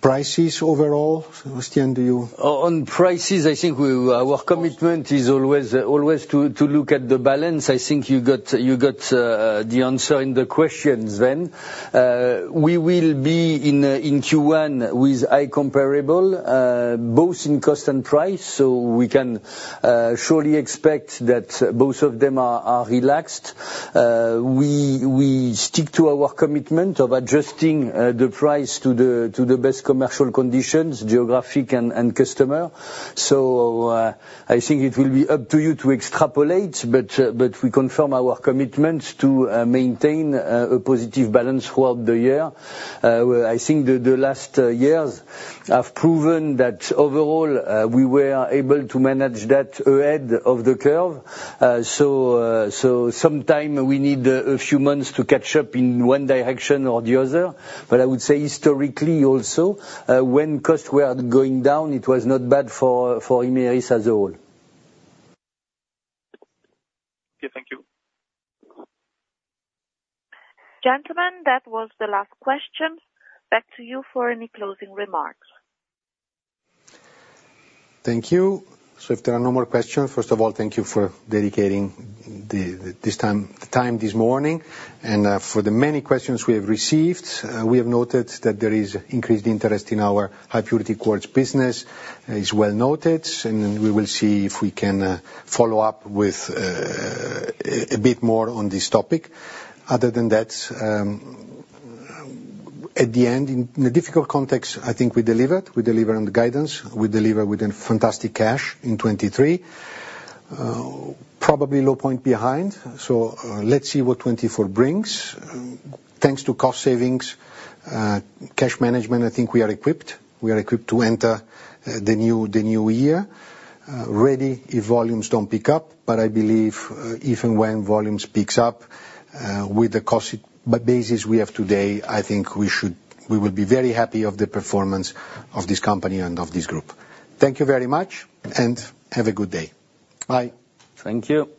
prices overall, Sébastien, do you? On prices, I think our commitment is always to look at the balance. I think you got the answer in the questions, Sven. We will be in Q1 with high comparable, both in cost and price. So if there are no more questions, first of all, thank you for dedicating this time this morning. And for the many questions we have received, we have noted that there is increased interest in our high-purity quartz business. It's well noted. And we will see if we can follow up with a bit more on this topic. Other than that, at the end, in a difficult context, I think we delivered. We delivered on the guidance. We delivered with fantastic cash in 2023. Probably low point behind. So let's see what 2024 brings. Thanks to cost savings, cash management, I think we are equipped. We are equipped to enter the new year. Ready if volumes don't pick up. I believe even when volumes pick up, with the cost basis we have today, I think we will be very happy with the performance of this company and of this group. Thank you very much. Have a good day. Bye. Thank you.